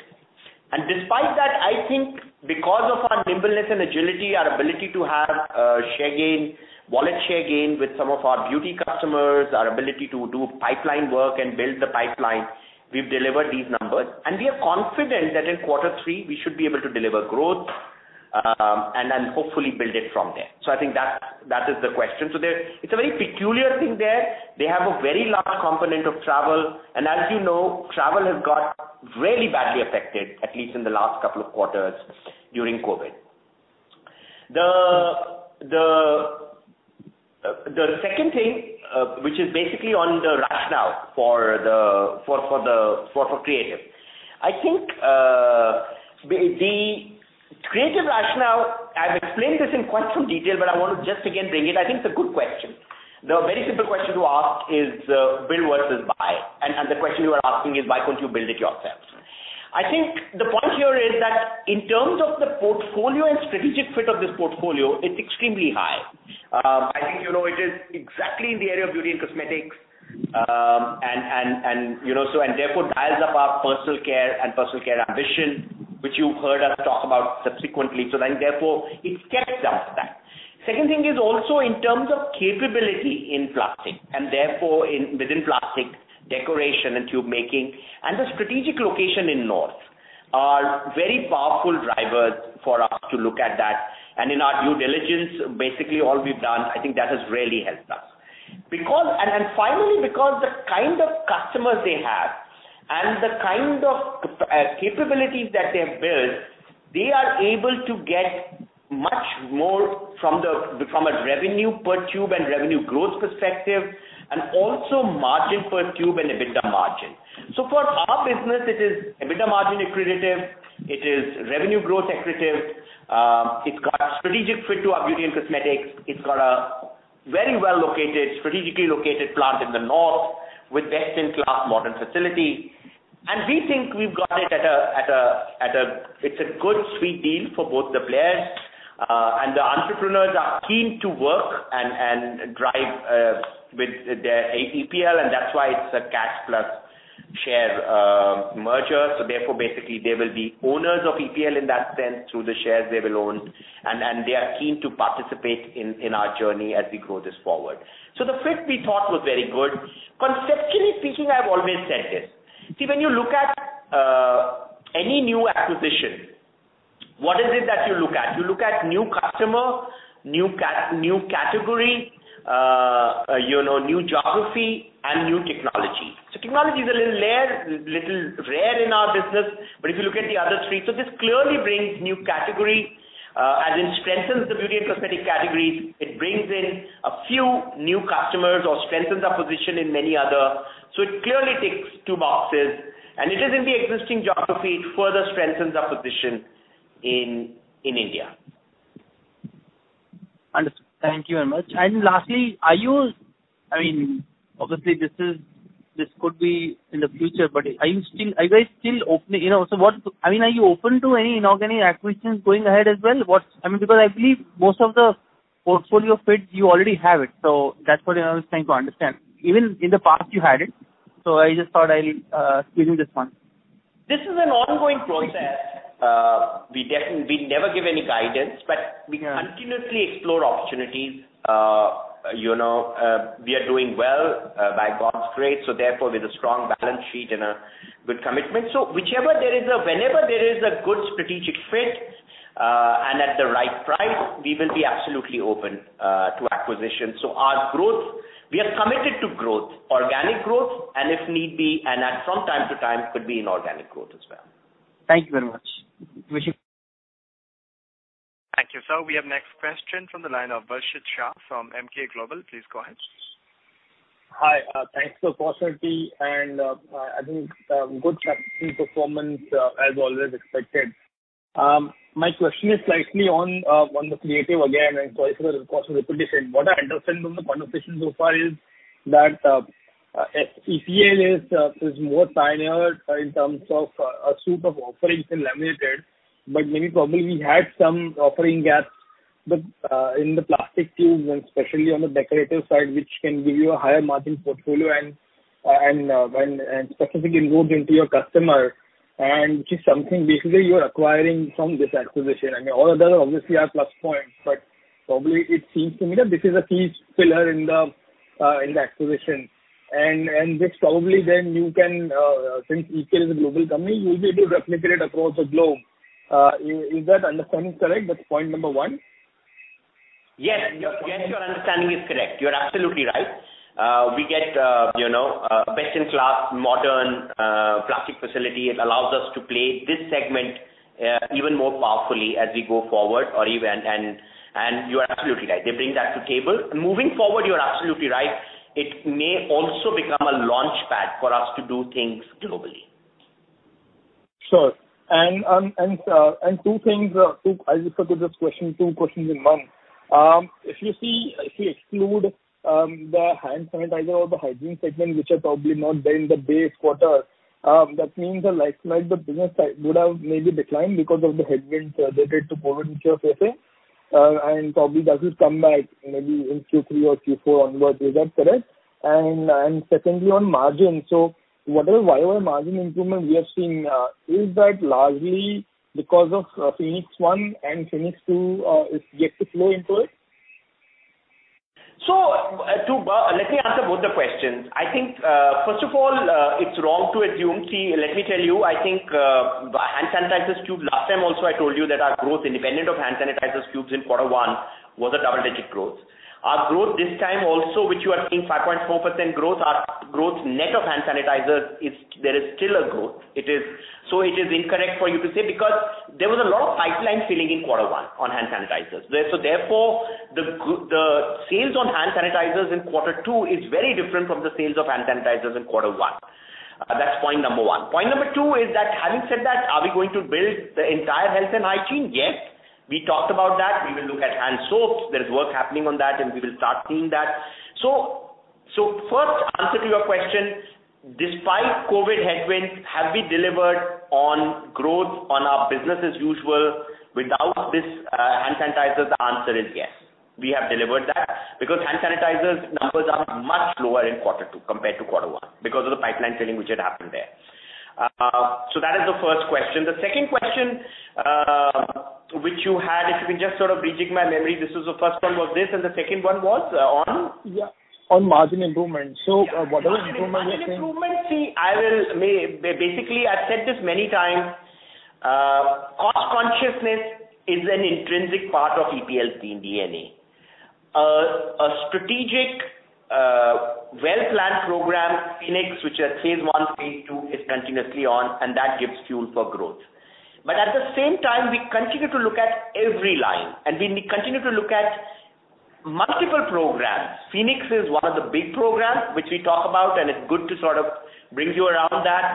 Despite that, I think because of our nimbleness and agility, our ability to have share gain, wallet share gain with some of our beauty customers, our ability to do pipeline work and build the pipeline, we've delivered these numbers. We are confident that in quarter three, we should be able to deliver growth, and then hopefully build it from there. I think that is the question. It's a very peculiar thing there. They have a very large component of travel, and as you know, travel has got really badly affected, at least in the last couple of quarters during COVID. The second thing, which is basically on the rationale for Creative. I think the Creative rationale, I've explained this in quite some detail, but I want to just again bring it. I think it's a good question. The very simple question to ask is build versus buy. The question you are asking is why couldn't you build it yourselves? I think the point here is that in terms of the portfolio and strategic fit of this portfolio, it's extremely high. I think it is exactly in the area of beauty and cosmetics, and therefore dials up our personal care and personal care ambition, which you've heard us talk about subsequently. It's kept us that. Second thing is also in terms of capability in plastic, and therefore within plastic decoration and tube making, and the strategic location in North are very powerful drivers for us to look at that. In our due diligence, basically all we've done, I think that has really helped us. Finally, because the kind of customers they have. The kind of capabilities that they have built, they are able to get much more from a revenue per tube and revenue growth perspective, and also margin per tube and EBITDA margin. For our business, it is EBITDA margin accretive, it is revenue growth accretive, it's got a strategic fit to our beauty and cosmetics. It's got a very well-located, strategically located plant in the north with best-in-class modern facility. We think we've got it at a good sweet deal for both the players. The entrepreneurs are keen to work and drive with their EPL, and that's why it's a cash plus share merger. Therefore, basically, they will be owners of EPL in that sense through the shares they will own. They are keen to participate in our journey as we grow this forward. The fit we thought was very good. Conceptually speaking, I've always said this. See, when you look at any new acquisition, what is it that you look at? You look at new customer, new category, new geography, and new technology. Technology is a little rare in our business. If you look at the other three, this clearly brings new category, as in strengthens the beauty and cosmetic categories. It brings in a few new customers or strengthens our position in many others. It clearly ticks two boxes, and it is in the existing geography. It further strengthens our position in India. Understood. Thank you very much. Lastly, obviously, this could be in the future, are you guys still open to any inorganic acquisitions going ahead as well? I believe most of the portfolio fit, you already have it. That's what I was trying to understand. Even in the past you had it, I just thought I'll squeeze in this one. This is an ongoing process. We never give any guidance, but we continuously explore opportunities. We are doing well by God's grace, so therefore, with a strong balance sheet and a good commitment. Whenever there is a good strategic fit and at the right price, we will be absolutely open to acquisition. Our growth, we are committed to growth, organic growth, and if need be, and at some time to time could be inorganic growth as well. Thank you very much. Thank you, sir. We have next question from the line of Varshit Shah from Emkay Global. Please go ahead. Hi. Thanks for the opportunity and I think good performance as always expected. My question is slightly on the Creative again, sorry for the cost of repetition. What I understand from the conversation so far is that EPL is more pioneer in terms of a suite of offerings in laminated, but maybe probably we had some offering gaps, but in the plastic tubes and especially on the decorative side, which can give you a higher margin portfolio and specifically inroads into your customer, and which is something basically you're acquiring from this acquisition. I mean, all other obviously are plus points, but probably it seems to me that this is a key pillar in the acquisition. Which probably then you can, since EPL is a global company, you'll be able to replicate it across the globe. Is that understanding correct? That's point number one. Yes, your understanding is correct. You're absolutely right. We get best-in-class modern plastic facility. It allows us to play this segment even more powerfully as we go forward. You're absolutely right, they bring that to table. Moving forward, you're absolutely right. It may also become a launchpad for us to do things globally. Sure. Two things. I'll just put these two questions in one. If you exclude the hand sanitizer or the hygiene segment, which are probably not there in the base quarter, that means that last year the business would have maybe declined because of the headwinds related to COVID, which you are facing, and probably doesn't come back maybe in Q3 or Q4 onwards. Is that correct? Secondly, on margin. Whatever year-over-year margin improvement we are seeing, is that largely because of Phoenix one and Phoenix two is yet to flow into it? Let me answer both the questions. I think, first of all, it's wrong to assume. See, let me tell you, I think hand sanitizers tube, last time also I told you that our growth independent of hand sanitizers tubes in quarter one was a double-digit growth. Our growth this time also, which you are seeing 5.4% growth, our growth net of hand sanitizers, there is still a growth. It is incorrect for you to say because there was a lot of pipeline filling in quarter one on hand sanitizers. Therefore the sales on hand sanitizers in quarter two is very different from the sales of hand sanitizers in quarter one. That's point number one. Point number two is that having said that, are we going to build the entire health and hygiene? Yes. We talked about that. We will look at hand soaps. There's work happening on that, and we will start seeing that. First answer to your question, despite COVID headwinds, have we delivered on growth on our business as usual without this hand sanitizers? The answer is yes. We have delivered that because hand sanitizers numbers are much lower in quarter two compared to quarter one because of the pipeline filling which had happened there. That is the first question. The second question, which you had, if you can just sort of bridging my memory, this was the first one was this, and the second one was on? Yeah. On margin improvement. Whatever improvement you're seeing. Margin improvement, basically I've said this many times. Consciousness is an intrinsic part of EPL's DNA. A strategic, well-planned program, Project Phoenix, which at phase I, phase II, is continuously on. That gives fuel for growth. At the same time, we continue to look at every line. We continue to look at multiple programs. Project Phoenix is one of the big programs which we talk about. It is good to bring you around that.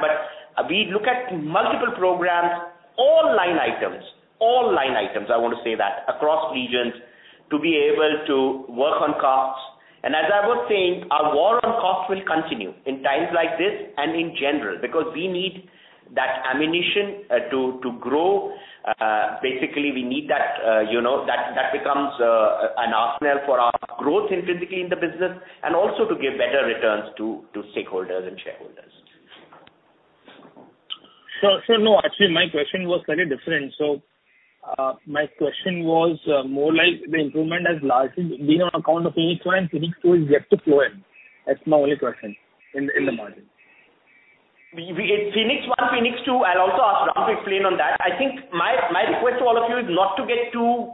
We look at multiple programs, all line items. All line items, I want to say that, across regions, to be able to work on costs. As I was saying, our war on cost will continue in times like this and in general, because we need that ammunition to grow. Basically, we need that. That becomes an arsenal for our growth intrinsically in the business, and also to give better returns to stakeholders and shareholders. Sir, no. Actually, my question was very different. My question was more like the improvement has largely been on account of Phoenix one, Phoenix two is yet to flow in. That's my only question in the margin. Phoenix one, Phoenix two, I'll also ask Ram to explain on that. I think my request to all of you is not to get too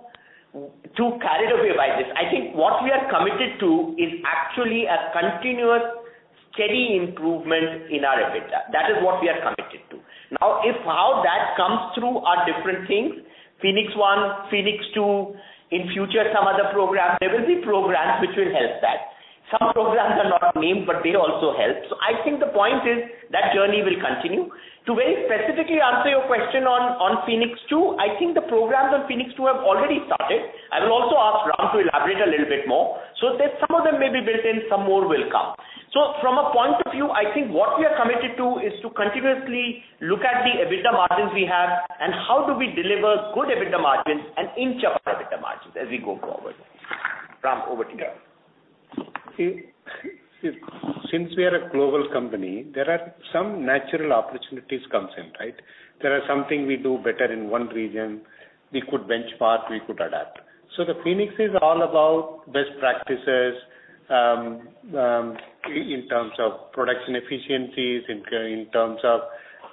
carried away by this. I think what we are committed to is actually a continuous steady improvement in our EBITDA. That is what we are committed to. Now, if how that comes through are different things, Phoenix one, Phoenix two, in future, some other program. There will be programs which will help that. Some programs are not named, but they also help. I think the point is that journey will continue. To very specifically answer your question on Phoenix two, I think the programs on Phoenix two have already started. I will also ask Ram to elaborate a little bit more. Some of them may be built in, some more will come. From a point of view, I think what we are committed to is to continuously look at the EBITDA margins we have and how do we deliver good EBITDA margins and inch up our EBITDA margins as we go forward. Ram, over to you. Since we are a global company, there are some natural opportunities comes in. There are some things we do better in one region, we could benchmark, we could adapt. Phoenix is all about best practices in terms of production efficiencies, in terms of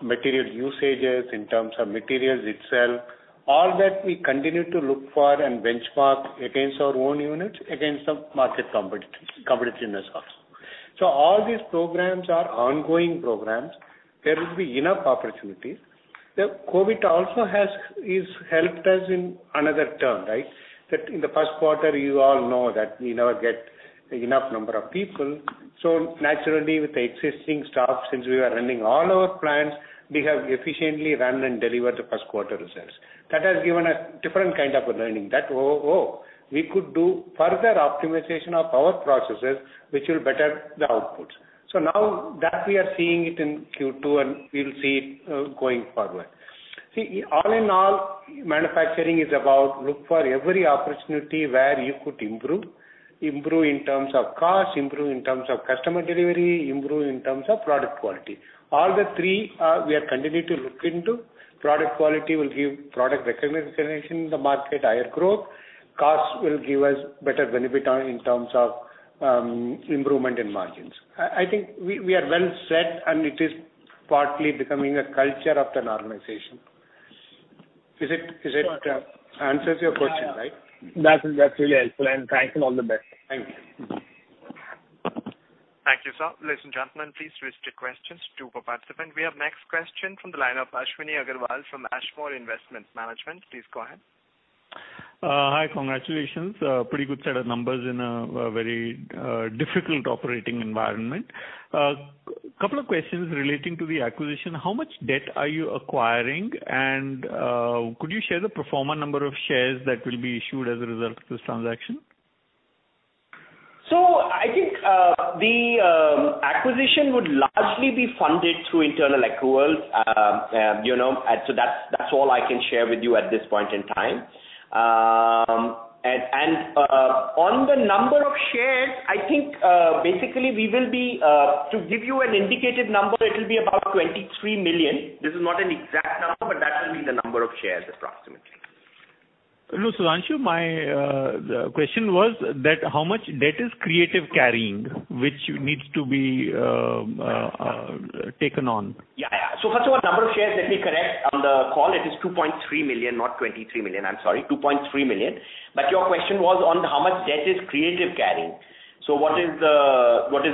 material usages, in terms of materials itself. All that we continue to look for and benchmark against our own units, against the market competitiveness also. All these programs are ongoing programs. There will be enough opportunities. The COVID also has helped us in another term. That in the first quarter, you all know that we never get enough number of people. Naturally, with the existing staff, since we were running all our plants, we have efficiently run and delivered the first quarter results. That has given us different kind of a learning. That we could do further optimization of our processes, which will better the outputs. Now that we are seeing it in Q2, and we'll see it going forward. See, all in all, manufacturing is about look for every opportunity where you could improve. Improve in terms of cost, improve in terms of customer delivery, improve in terms of product quality. All the three we are continuing to look into. Product quality will give product recognition in the market, higher growth. Cost will give us better benefit in terms of improvement in margins. I think we are well set, and it is partly becoming a culture of an organization. Is it answers your question, right? That's really helpful, and thank you and all the best. Thank you. Thank you, sir. Ladies and gentlemen, please restrict questions to two per participant. We have next question from the line of Ashwini Agarwal from Ashmore Investment Management. Please go ahead. Hi. Congratulations. Pretty good set of numbers in a very difficult operating environment. A couple of questions relating to the acquisition. How much debt are you acquiring, and could you share the pro forma number of shares that will be issued as a result of this transaction? I think the acquisition would largely be funded through internal accruals. That's all I can share with you at this point in time. On the number of shares, I think, basically, to give you an indicated number, it will be about 23 million. This is not an exact number, but that will be the number of shares approximately. No, Sudhanshu, my question was that how much debt is Creative carrying, which needs to be taken on? First of all, number of shares, let me correct on the call, it is 2.3 million, not 23 million. I'm sorry, 2.3 million. Your question was on how much debt is Creative carrying. What is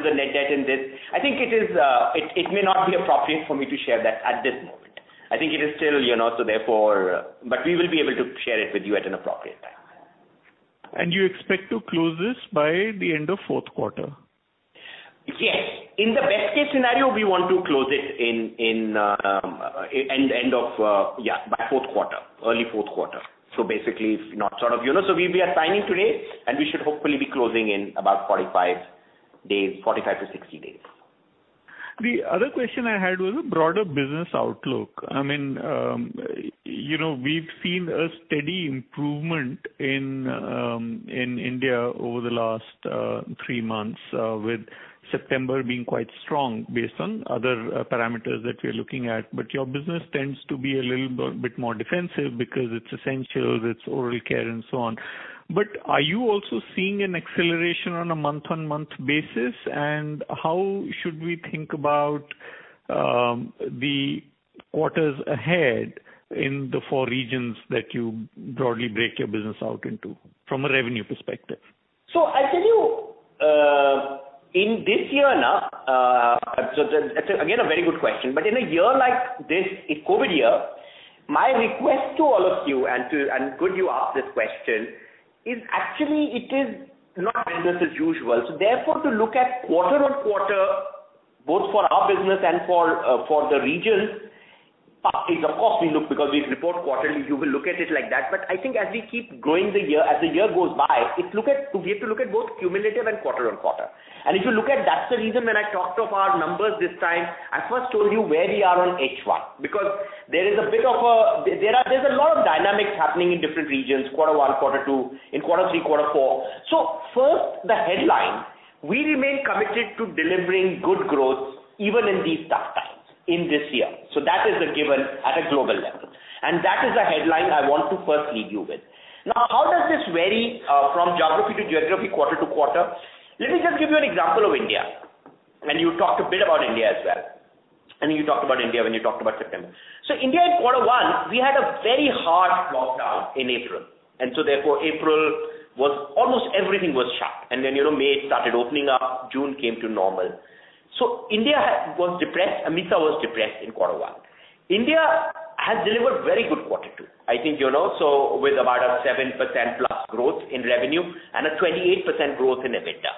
the net debt in this? I think it may not be appropriate for me to share that at this moment. We will be able to share it with you at an appropriate time. You expect to close this by the end of fourth quarter? Yes. In the best case scenario, we want to close it by fourth quarter, early fourth quarter. Basically, we are signing today, and we should hopefully be closing in about 45-60 days. The other question I had was a broader business outlook. We've seen a steady improvement in India over the last three months, with September being quite strong based on other parameters that we're looking at. But your business tends to be a little bit more defensive because it's essentials, it's oral care and so on. But are you also seeing an acceleration on a month-on-month basis, and how should we think about the quarters ahead in the four regions that you broadly break your business out into from a revenue perspective. I tell you, in this year now, again, a very good question, in a year like this, a COVID year, my request to all of you and good you ask this question, is actually it is not business as usual. Therefore, to look at quarter on quarter, both for our business and for the regions, is of course we look because we report quarterly, you will look at it like that. I think as we keep growing the year, as the year goes by, we have to look at both cumulative and quarter on quarter. If you look at that is the reason when I talked of our numbers this time, I first told you where we are on H1. There is a lot of dynamics happening in different regions, quarter one, quarter two, in quarter three, quarter four. First, the headline. We remain committed to delivering good growth even in these tough times, in this year. That is a given at a global level. That is the headline I want to first leave you with. How does this vary from geography to geography, quarter to quarter? Let me just give you an example of India. You talked a bit about India as well. I mean, you talked about India when you talked about September. India in quarter one, we had a very hard lockdown in April. Therefore, April almost everything was shut. May, it started oponening up. June came to normal. India was depressed, AMESA was depressed in quarter one. India has delivered very good quarter two, I think, with about a 7%+ growth in revenue and a 28% growth in EBITDA.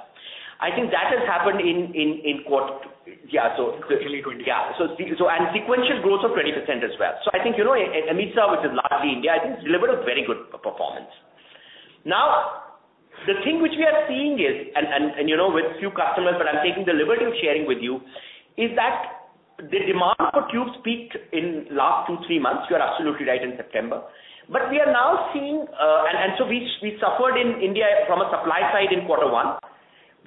I think that has happened in quarter two. Really good, yeah. Yeah. Sequential growth of 20% as well. I think, AMESA, which is largely India, I think, delivered a very good performance. Now, the thing which we are seeing is, and with few customers, but I'm taking the liberty of sharing with you, is that the demand for tubes peaked in last two, three months. You're absolutely right in September. We suffered in India from a supply side in quarter one.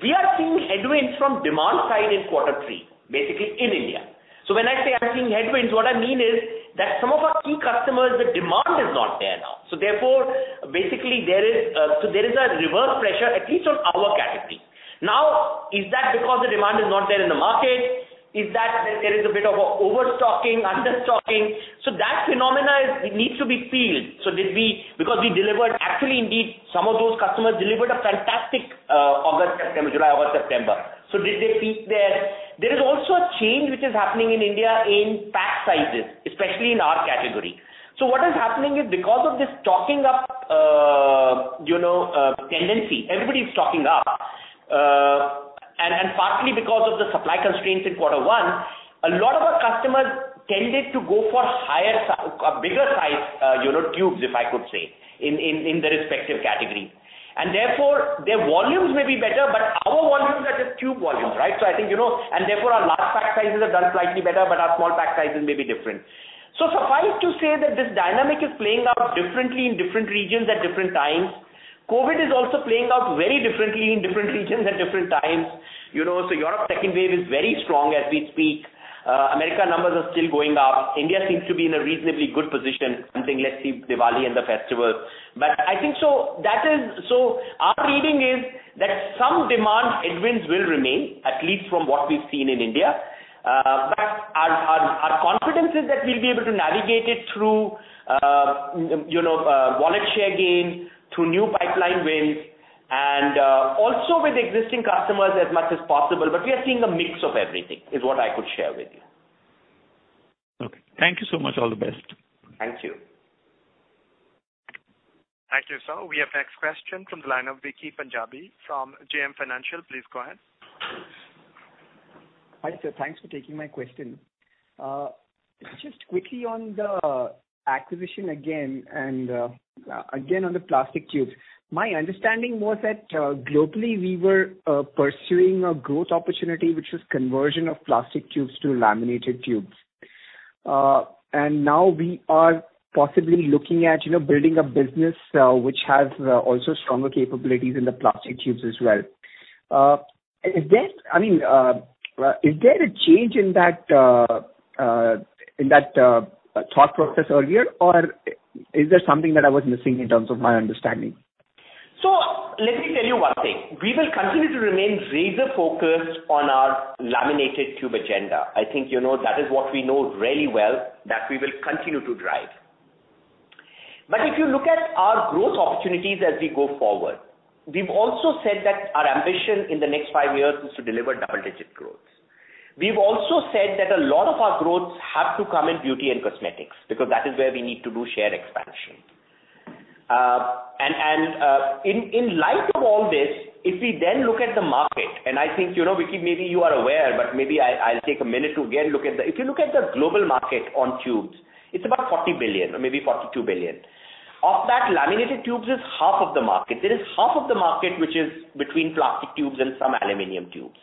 We are seeing headwinds from demand side in quarter three, basically in India. When I say I'm seeing headwinds, what I mean is that some of our key customers, the demand is not there now. Therefore, basically, there is a reverse pressure at least on our category. Now, is that because the demand is not there in the market? Is that there is a bit of overstocking, understocking? That phenomena, it needs to be peeled. We delivered, actually indeed some of those customers delivered a fantastic August, September, July, August, September. Did they peak there? There is also a change which is happening in India in pack sizes, especially in our category. What is happening is because of this stocking up tendency, everybody is stocking up. Partly because of the supply constraints in quarter one, a lot of our customers tended to go for bigger size tubes, if I could say, in the respective category. Therefore, their volumes may be better, but our volumes are just tube volumes. Right? Therefore, our large pack sizes have done slightly better, but our small pack sizes may be different. Suffice to say that this dynamic is playing out differently in different regions at different times. COVID is also playing out very differently in different regions at different times. Europe second wave is very strong as we speak. America numbers are still going up. India seems to be in a reasonably good position. I think let's see Diwali and the festivals. Our reading is that some demand headwinds will remain, at least from what we've seen in India. Our confidence is that we'll be able to navigate it through wallet share gains, through new pipeline wins, and also with existing customers as much as possible. We are seeing a mix of everything, is what I could share with you. Okay. Thank you so much. All the best. Thank you. Thank you, sir. We have next question from the line of Vicky Punjabi from JM Financial. Please go ahead. Hi, sir. Thanks for taking my question. Just quickly on the acquisition again on the plastic tubes. My understanding was that globally we were pursuing a growth opportunity, which was conversion of plastic tubes to laminated tubes. Now we are possibly looking at building a business which has also stronger capabilities in the plastic tubes as well. Is there a change in that thought process earlier, or is there something that I was missing in terms of my understanding? Let me tell you one thing. We will continue to remain laser-focused on our laminated tube agenda. I think that is what we know really well that we will continue to drive. If you look at our growth opportunities as we go forward, we've also said that our ambition in the next five years is to deliver double-digit growth. We've also said that a lot of our growth have to come in beauty and cosmetics because that is where we need to do share expansion. In light of all this, if we then look at the market, and I think, Vicky, maybe you are aware, but maybe I'll take a minute to again look at the global market on tubes, it's about 40 billion or maybe 42 billion. Of that, laminated tubes is half of the market. There is half of the market which is between plastic tubes and some aluminum tubes.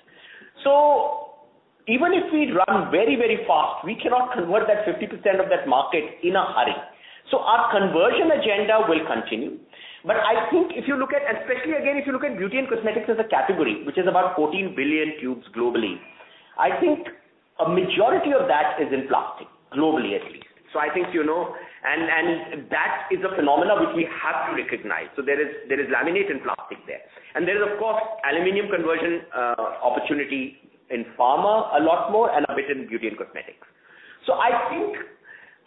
Even if we run very fast, we cannot convert that 50% of that market in a hurry. Our conversion agenda will continue. I think if you look at, especially again if you look at beauty and cosmetics as a category, which is about 14 billion tubes globally, I think a majority of that is in plastic, globally at least. That is a phenomenon which we have to recognize. There is laminate and plastic there. There is of course aluminum conversion opportunity in pharma a lot more and a bit in beauty and cosmetics. I think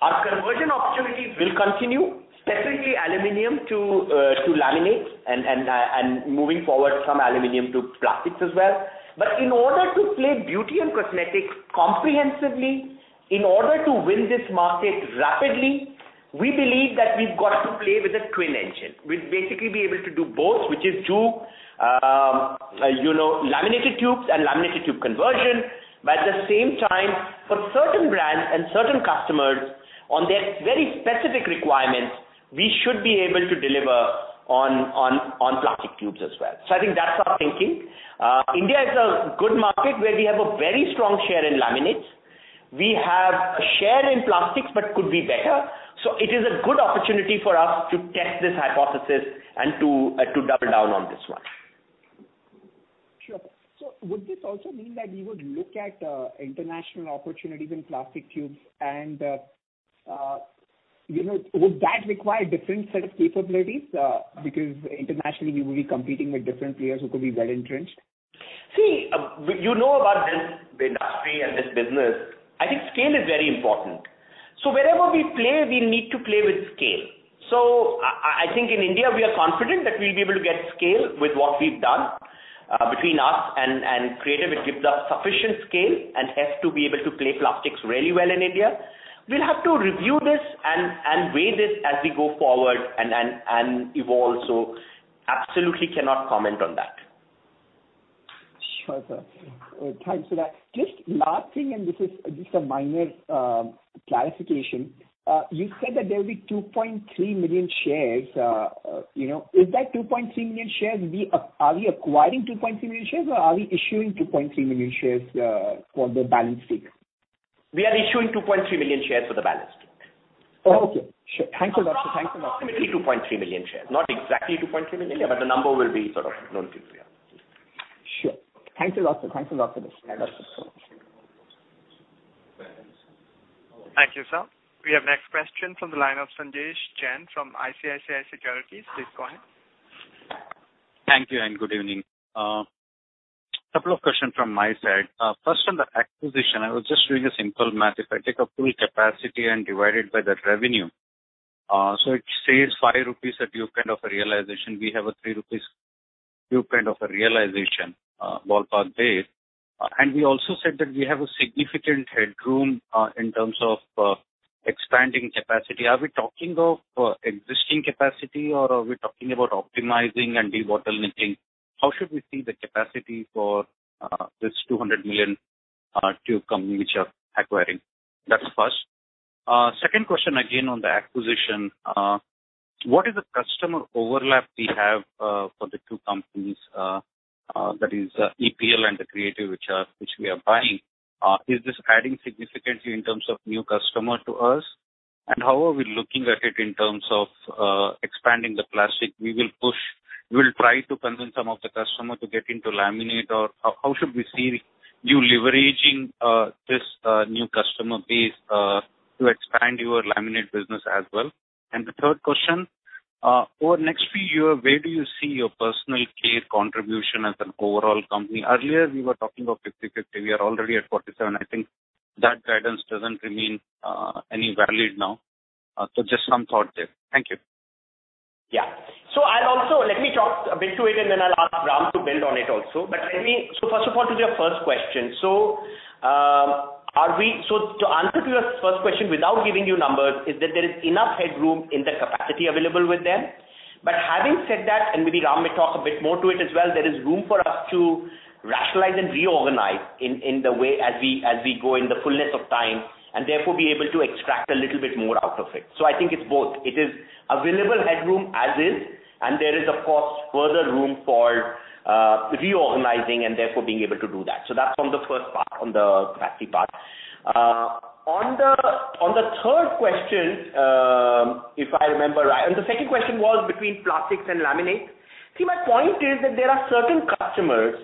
our conversion opportunities will continue, especially aluminum to laminates and moving forward from aluminum to plastics as well. In order to play beauty and cosmetics comprehensively, in order to win this market rapidly, we believe that we've got to play with a twin engine. We'll basically be able to do both, which is tube, laminated tubes and laminated tube conversion. At the same time, for certain brands and certain customers on their very specific requirements, we should be able to deliver on plastic tubes as well. I think that's our thinking. India is a good market where we have a very strong share in laminates. We have a share in plastics, but could be better. It is a good opportunity for us to test this hypothesis and to double down on this one. Sure. Would this also mean that you would look at international opportunities in plastic tubes and would that require a different set of capabilities? Because internationally, we will be competing with different players who could be well-entrenched. See, you know about this industry and this business, I think scale is very important. Wherever we play, we need to play with scale. I think in India, we are confident that we'll be able to get scale with what we've done. Between us and Creative, it gives us sufficient scale and helps to be able to play plastics really well in India. We'll have to review this and weigh this as we go forward and evolve. Absolutely cannot comment on that. Sure, sir. Thanks for that. Just last thing, this is just a minor clarification. You said that there will be 2.3 million shares. Is that 2.3 million shares, are we acquiring 2.3 million shares or are we issuing 2.3 million shares for the balance sheet? We are issuing 2.3 million shares for the balance sheet. Oh, okay. Sure. Thanks a lot, sir. Approximately 2.3 million shares. Not exactly 2.3 million, but the number will be sort of known to you. Sure. Thanks a lot, sir. Thank you, sir. We have next question from the line of Sanjesh Jain from ICICI Securities. Please go ahead. Thank you and good evening. A couple of questions from my side. First, on the acquisition, I was just doing a simple math. If I take a full capacity and divide it by that revenue, it says 5 rupees at your kind of a realization, we have a 3 rupees viewpoint of a realization ballpark there. We also said that we have a significant headroom in terms of expanding capacity. Are we talking of existing capacity or are we talking about optimizing and debottlenecking? How should we see the capacity for this 200 million tube company which you are acquiring? That's first. Second question again on the acquisition. What is the customer overlap we have for the two companies, that is EPL and the Creative which we are buying? Is this adding significantly in terms of new customer to us? How are we looking at it in terms of expanding the plastic? We will try to convince some of the customer to get into laminate or how should we see you leveraging this new customer base to expand your laminate business as well? The third question, over next few year, where do you see your personal care contribution as an overall company? Earlier, we were talking of 50/50. We are already at 47%. I think that guidance doesn't remain any valid now. Just some thought there. Thank you. Yeah. Let me talk a bit to it, and then I'll ask Ram to build on it also. First of all, to your first question. To answer to your first question without giving you numbers is that there is enough headroom in the capacity available with them. Having said that, and maybe Ram may talk a bit more to it as well, there is room for us to rationalize and reorganize in the way as we go in the fullness of time, and therefore be able to extract a little bit more out of it. I think it's both. It is available headroom as is, and there is, of course, further room for reorganizing and therefore being able to do that. That's from the first part on the capacity part. On the third question, if I remember right, the second question was between plastics and laminates. See, my point is that there are certain customers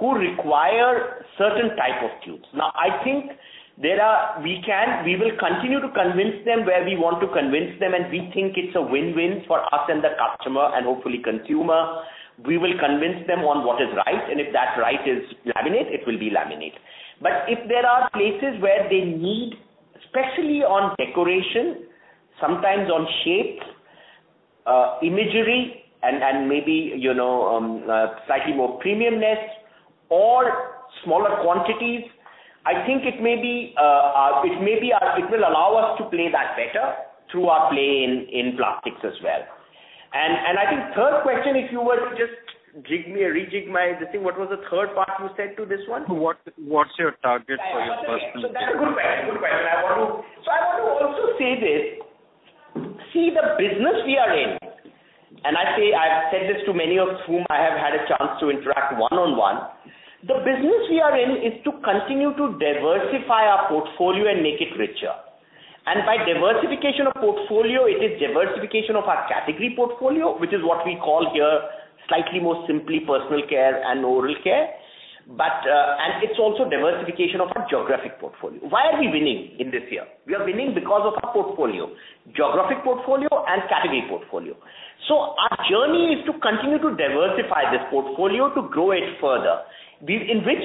who require certain type of tubes. Now, I think we will continue to convince them where we want to convince them, and we think it's a win-win for us and the customer and hopefully consumer. We will convince them on what is right, and if that right is laminate, it will be laminate. If there are places where they need, especially on decoration, sometimes on shapes, imagery, and maybe slightly more premiumness or smaller quantities, I think it will allow us to play that better through our play in plastics as well. I think third question, if you were to just rejig my this thing, what was the third part you said to this one? What's your target for your personal care? That's a good question. I want to also say this. See, the business we are in, and I've said this to many of whom I have had a chance to interact one on one. The business we are in is to continue to diversify our portfolio and make it richer. By diversification of portfolio, it is diversification of our category portfolio, which is what we call here slightly more simply personal care and oral care. It's also diversification of our geographic portfolio. Why are we winning in this year? We are winning because of our portfolio, geographic portfolio and category portfolio. Our journey is to continue to diversify this portfolio to grow it further. In which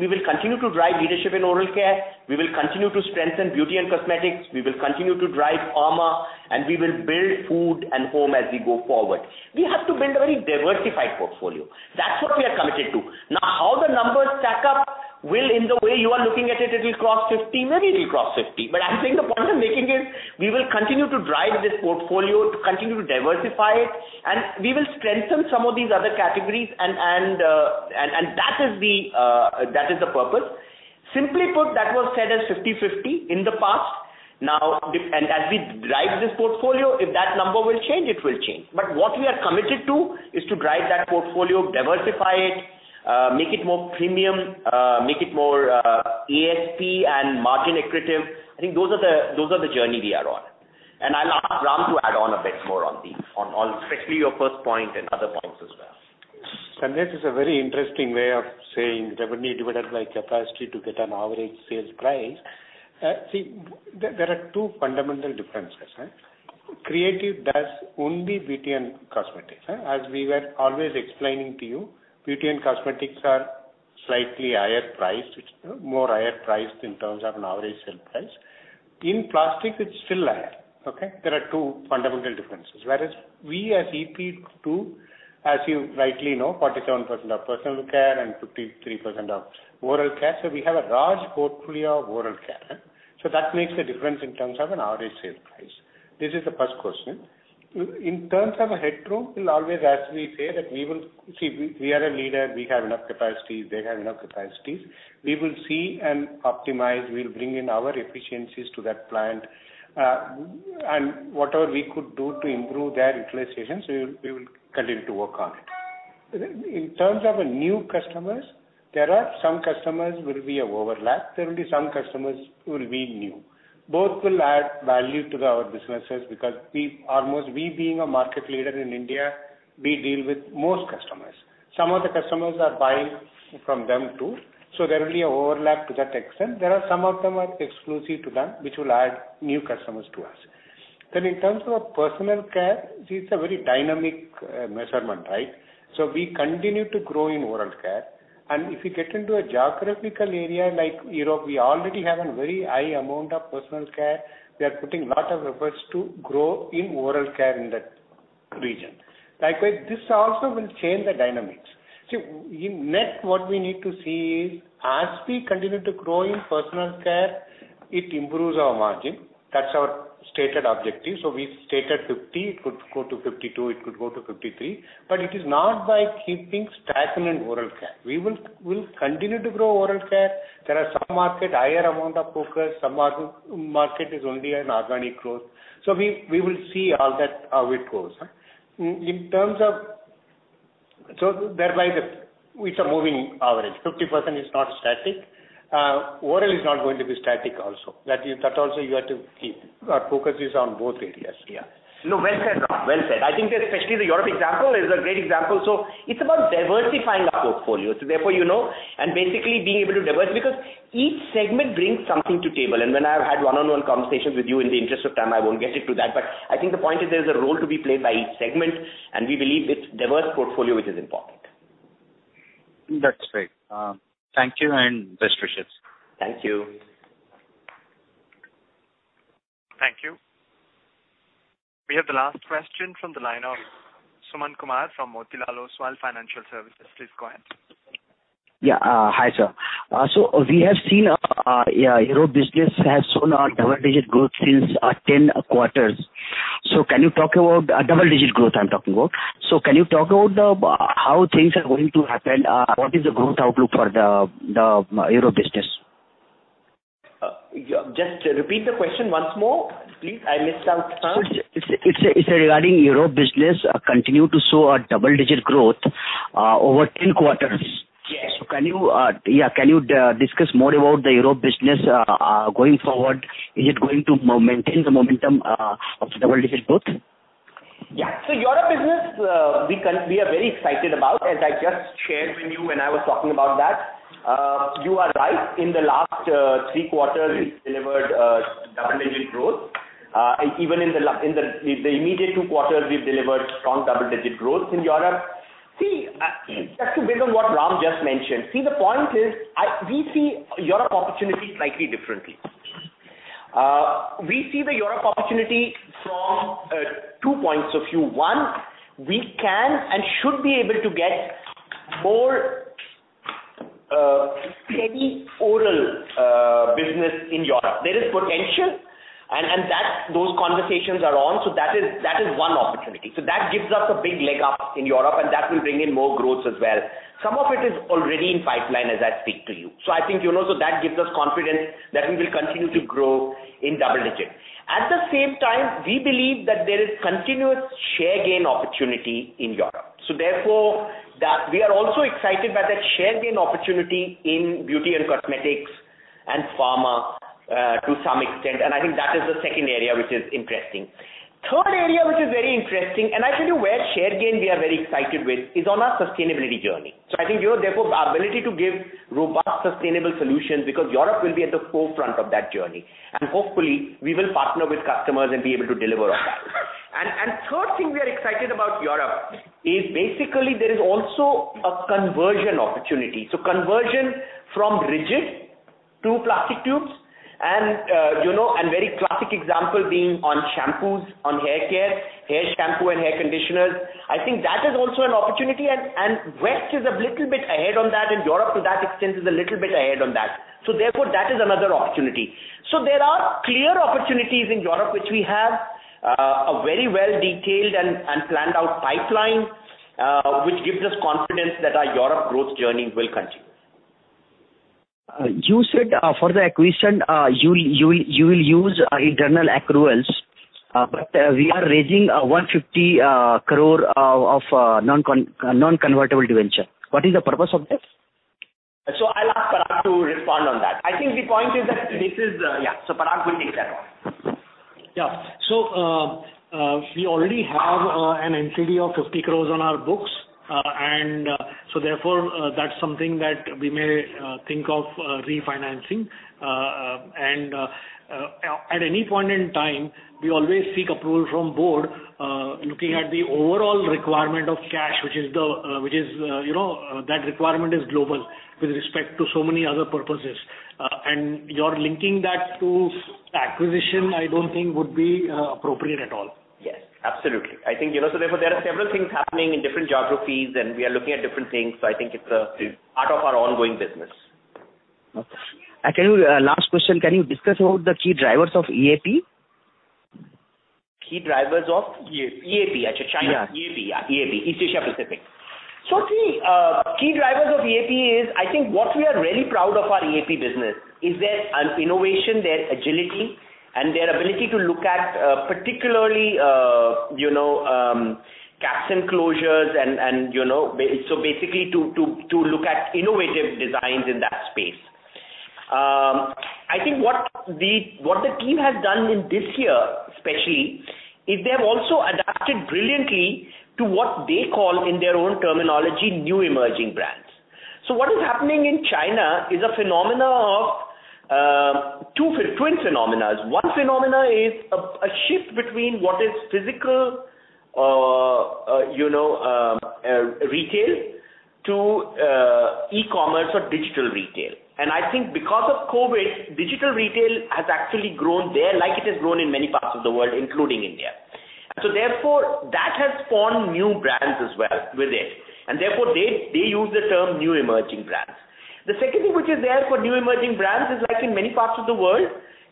we will continue to drive leadership in oral care, we will continue to strengthen beauty and cosmetics, we will continue to drive pharma, and we will build food and home as we go forward. We have to build a very diversified portfolio. That's what we are committed to. How the numbers stack up, will in the way you are looking at it'll cross 50? Maybe it'll cross 50. I'm saying the point I'm making is, we will continue to drive this portfolio to continue to diversify it, and we will strengthen some of these other categories, and that is the purpose. Simply put, that was said as 50/50 in the past. As we drive this portfolio, if that number will change, it will change. What we are committed to is to drive that portfolio, diversify it, make it more premium, make it more ASP and margin accretive. I think those are the journey we are on. I'll ask Ram to add on a bit more on these, on all, especially your first point and other points as well. Sanjesh, it's a very interesting way of saying revenue divided by capacity to get an average sales price. There are two fundamental differences. Creative does only beauty and cosmetics. As we were always explaining to you, beauty and cosmetics are slightly higher priced, more higher priced in terms of an average sale price. In plastics, it's still higher. Okay. There are two fundamental differences. Whereas we as EPL, too, as you rightly know, 47% of personal care and 53% of oral care. We have a large portfolio of oral care. That makes a difference in terms of an average sale price. This is the first question. In terms of a headroom, we'll always, as we say, we are a leader, we have enough capacities, they have enough capacities. We will see and optimize, we'll bring in our efficiencies to that plant. Whatever we could do to improve their utilization, we will continue to work on it. In terms of new customers, there are some customers will be an overlap, there will be some customers who will be new. Both will add value to our businesses because almost we being a market leader in India, we deal with most customers. Some of the customers are buying from them, too. There will be an overlap to that extent. There are some of them are exclusive to them, which will add new customers to us. In terms of personal care, see, it's a very dynamic measurement, right? We continue to grow in oral care. If you get into a geographical area like Europe, we already have a very high amount of personal care. We are putting lot of efforts to grow in oral care in that region. Likewise, this also will change the dynamics. In net, what we need to see is, as we continue to grow in personal care, it improves our margin. That's our stated objective. We stated 50%, it could go to 52%, it could go to 53%. It is not by keeping stagnant oral care. We will continue to grow oral care. There are some market, higher amount of focus, some market is only an organic growth. We will see all that, how it goes. Thereby, it's a moving average. 50% is not static. Oral is not going to be static also. That also you have to keep. Our focus is on both areas. No, well said, Ram. Well said. I think especially the Europe example is a great example. It's about diversifying our portfolio. Therefore, and basically being able to diversify, because each segment brings something to table, and when I've had one-on-one conversations with you, in the interest of time, I won't get into that. I think the point is there's a role to be played by each segment, and we believe it's diverse portfolio which is important. That's right. Thank you, and best wishes. Thank you. Thank you. We have the last question from the line of Sumant Kumar from Motilal Oswal Financial Services. Please go ahead. Yeah. Hi, sir. We have seen our Europe business has shown a double-digit growth since 10 quarters. Double-digit growth, I'm talking about. Can you talk about how things are going to happen? What is the growth outlook for the Europe business? Just repeat the question once more, please. I missed out the first. It's regarding Europe business continue to show a double-digit growth over 10 quarters. Yes. Can you discuss more about the Europe business going forward? Is it going to maintain the momentum of double-digit growth? Yeah. Europe business, we are very excited about, as I just shared with you when I was talking about that. You are right. In the last three quarters, we've delivered double-digit growth. Even in the immediate two quarters, we've delivered strong double-digit growth in Europe. Just to build on what Ram just mentioned, the point is, we see Europe opportunity slightly differently. We see the Europe opportunity from two points of view. One, we can and should be able to get more steady oral business in Europe. There is potential, and those conversations are on. That is one opportunity. That gives us a big leg up in Europe, and that will bring in more growth as well. Some of it is already in pipeline as I speak to you. I think, that gives us confidence that we will continue to grow in double digits. At the same time, we believe that there is continuous share gain opportunity in Europe. Therefore, we are also excited by that share gain opportunity in beauty and cosmetics and pharma to some extent. I think that is the second area which is interesting. Third area which is very interesting, and I tell you where share gain we are very excited with is on our sustainability journey. I think therefore our ability to give robust, sustainable solutions, because Europe will be at the forefront of that journey. Hopefully, we will partner with customers and be able to deliver on that. Third thing we are excited about Europe is basically there is also a conversion opportunity. Conversion from rigid to plastic tubes and very classic example being on shampoos, on hair care, hair shampoo, and hair conditioners. I think that is also an opportunity, and West is a little bit ahead on that, and Europe, to that extent, is a little bit ahead on that. Therefore, that is another opportunity. There are clear opportunities in Europe which we have a very well-detailed and planned out pipeline, which gives us confidence that our Europe growth journey will continue. You said for the acquisition, you will use internal accruals, but we are raising 150 crore of non-convertible debenture. What is the purpose of this? I'll ask Parag to respond on that. I think the point is that this is Yeah. Parag will take that one. Yeah. We already have an NCD of 50 crores on our books. Therefore, that's something that we may think of refinancing. At any point in time, we always seek approval from Board, looking at the overall requirement of cash, that requirement is global with respect to so many other purposes. Your linking that to acquisition, I don't think would be appropriate at all. Yes, absolutely. Therefore, there are several things happening in different geographies, and we are looking at different things. I think it's a part of our ongoing business. Okay. Last question. Can you discuss about the key drivers of EAP? Key drivers of? EAP. EAP. Okay. China. Yeah. EAP. East Asia Pacific. Key drivers of EAP is, I think what we are really proud of our EAP business is their innovation, their agility, and their ability to look at particularly, caps and closures and, basically to look at innovative designs in that space. I think what the team has done in this year especially, is they have also adapted brilliantly to what they call in their own terminology, new emerging brands. What is happening in China is a phenomena of two twin phenomenas. One phenomena is a shift between what is physical retail to e-commerce or digital retail. I think because of COVID, digital retail has actually grown there like it has grown in many parts of the world, including India. Therefore, that has spawned new brands as well with it. Therefore, they use the term new emerging brands. The second thing which is there for new emerging brands is like in many parts of the world,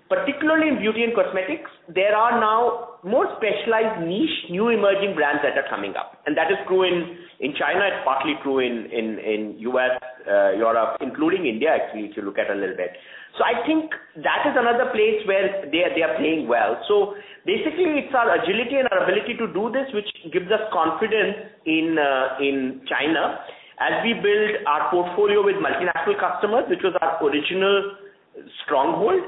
particularly in beauty and cosmetics, there are now more specialized niche, new emerging brands that are coming up, and that is true in China. It's partly true in U.S., Europe, including India, actually, if you look at a little bit. I think that is another place where they are playing well. Basically, it's our agility and our ability to do this, which gives us confidence in China as we build our portfolio with multinational customers, which was our original stronghold.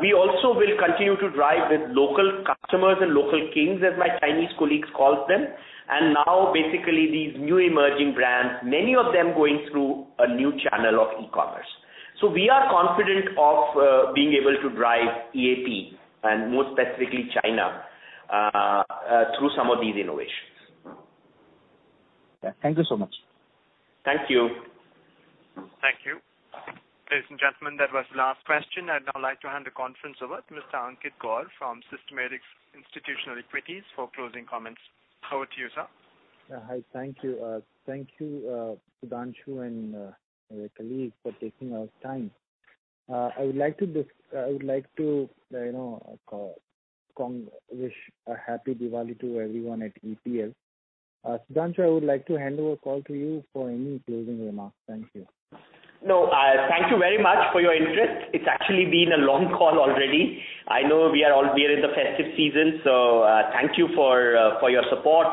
We also will continue to drive with local customers and local kings, as my Chinese colleagues calls them. Now basically, these new emerging brands, many of them going through a new channel of e-commerce. We are confident of being able to drive EAP and more specifically China, through some of these innovations. Yeah. Thank you so much. Thank you. Thank you. Ladies and gentlemen, that was the last question. I'd now like to hand the conference over to Mr. Ankit Gor from Systematix Institutional Equities for closing comments. Over to you, sir. Hi. Thank you. Thank you, Sudhanshu and colleague for taking out time. I would like to wish a happy Diwali to everyone at EPL. Sudhanshu, I would like to hand over call to you for any closing remarks. Thank you. No, thank you very much for your interest. It's actually been a long call already. I know we are in the festive season, so, thank you for your support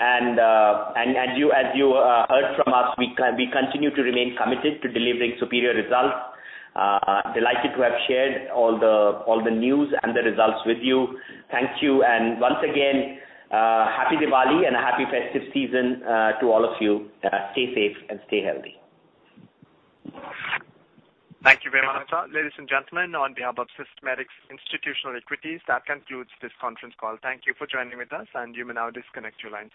and as you heard from us, we continue to remain committed to delivering superior results. Delighted to have shared all the news and the results with you. Thank you, and once again, happy Diwali and a happy festive season to all of you. Stay safe and stay healthy. Thank you very much, sir. Ladies and gentlemen, on behalf of Systematix Institutional Equities, that concludes this conference call. Thank you for joining with us, and you may now disconnect your lines.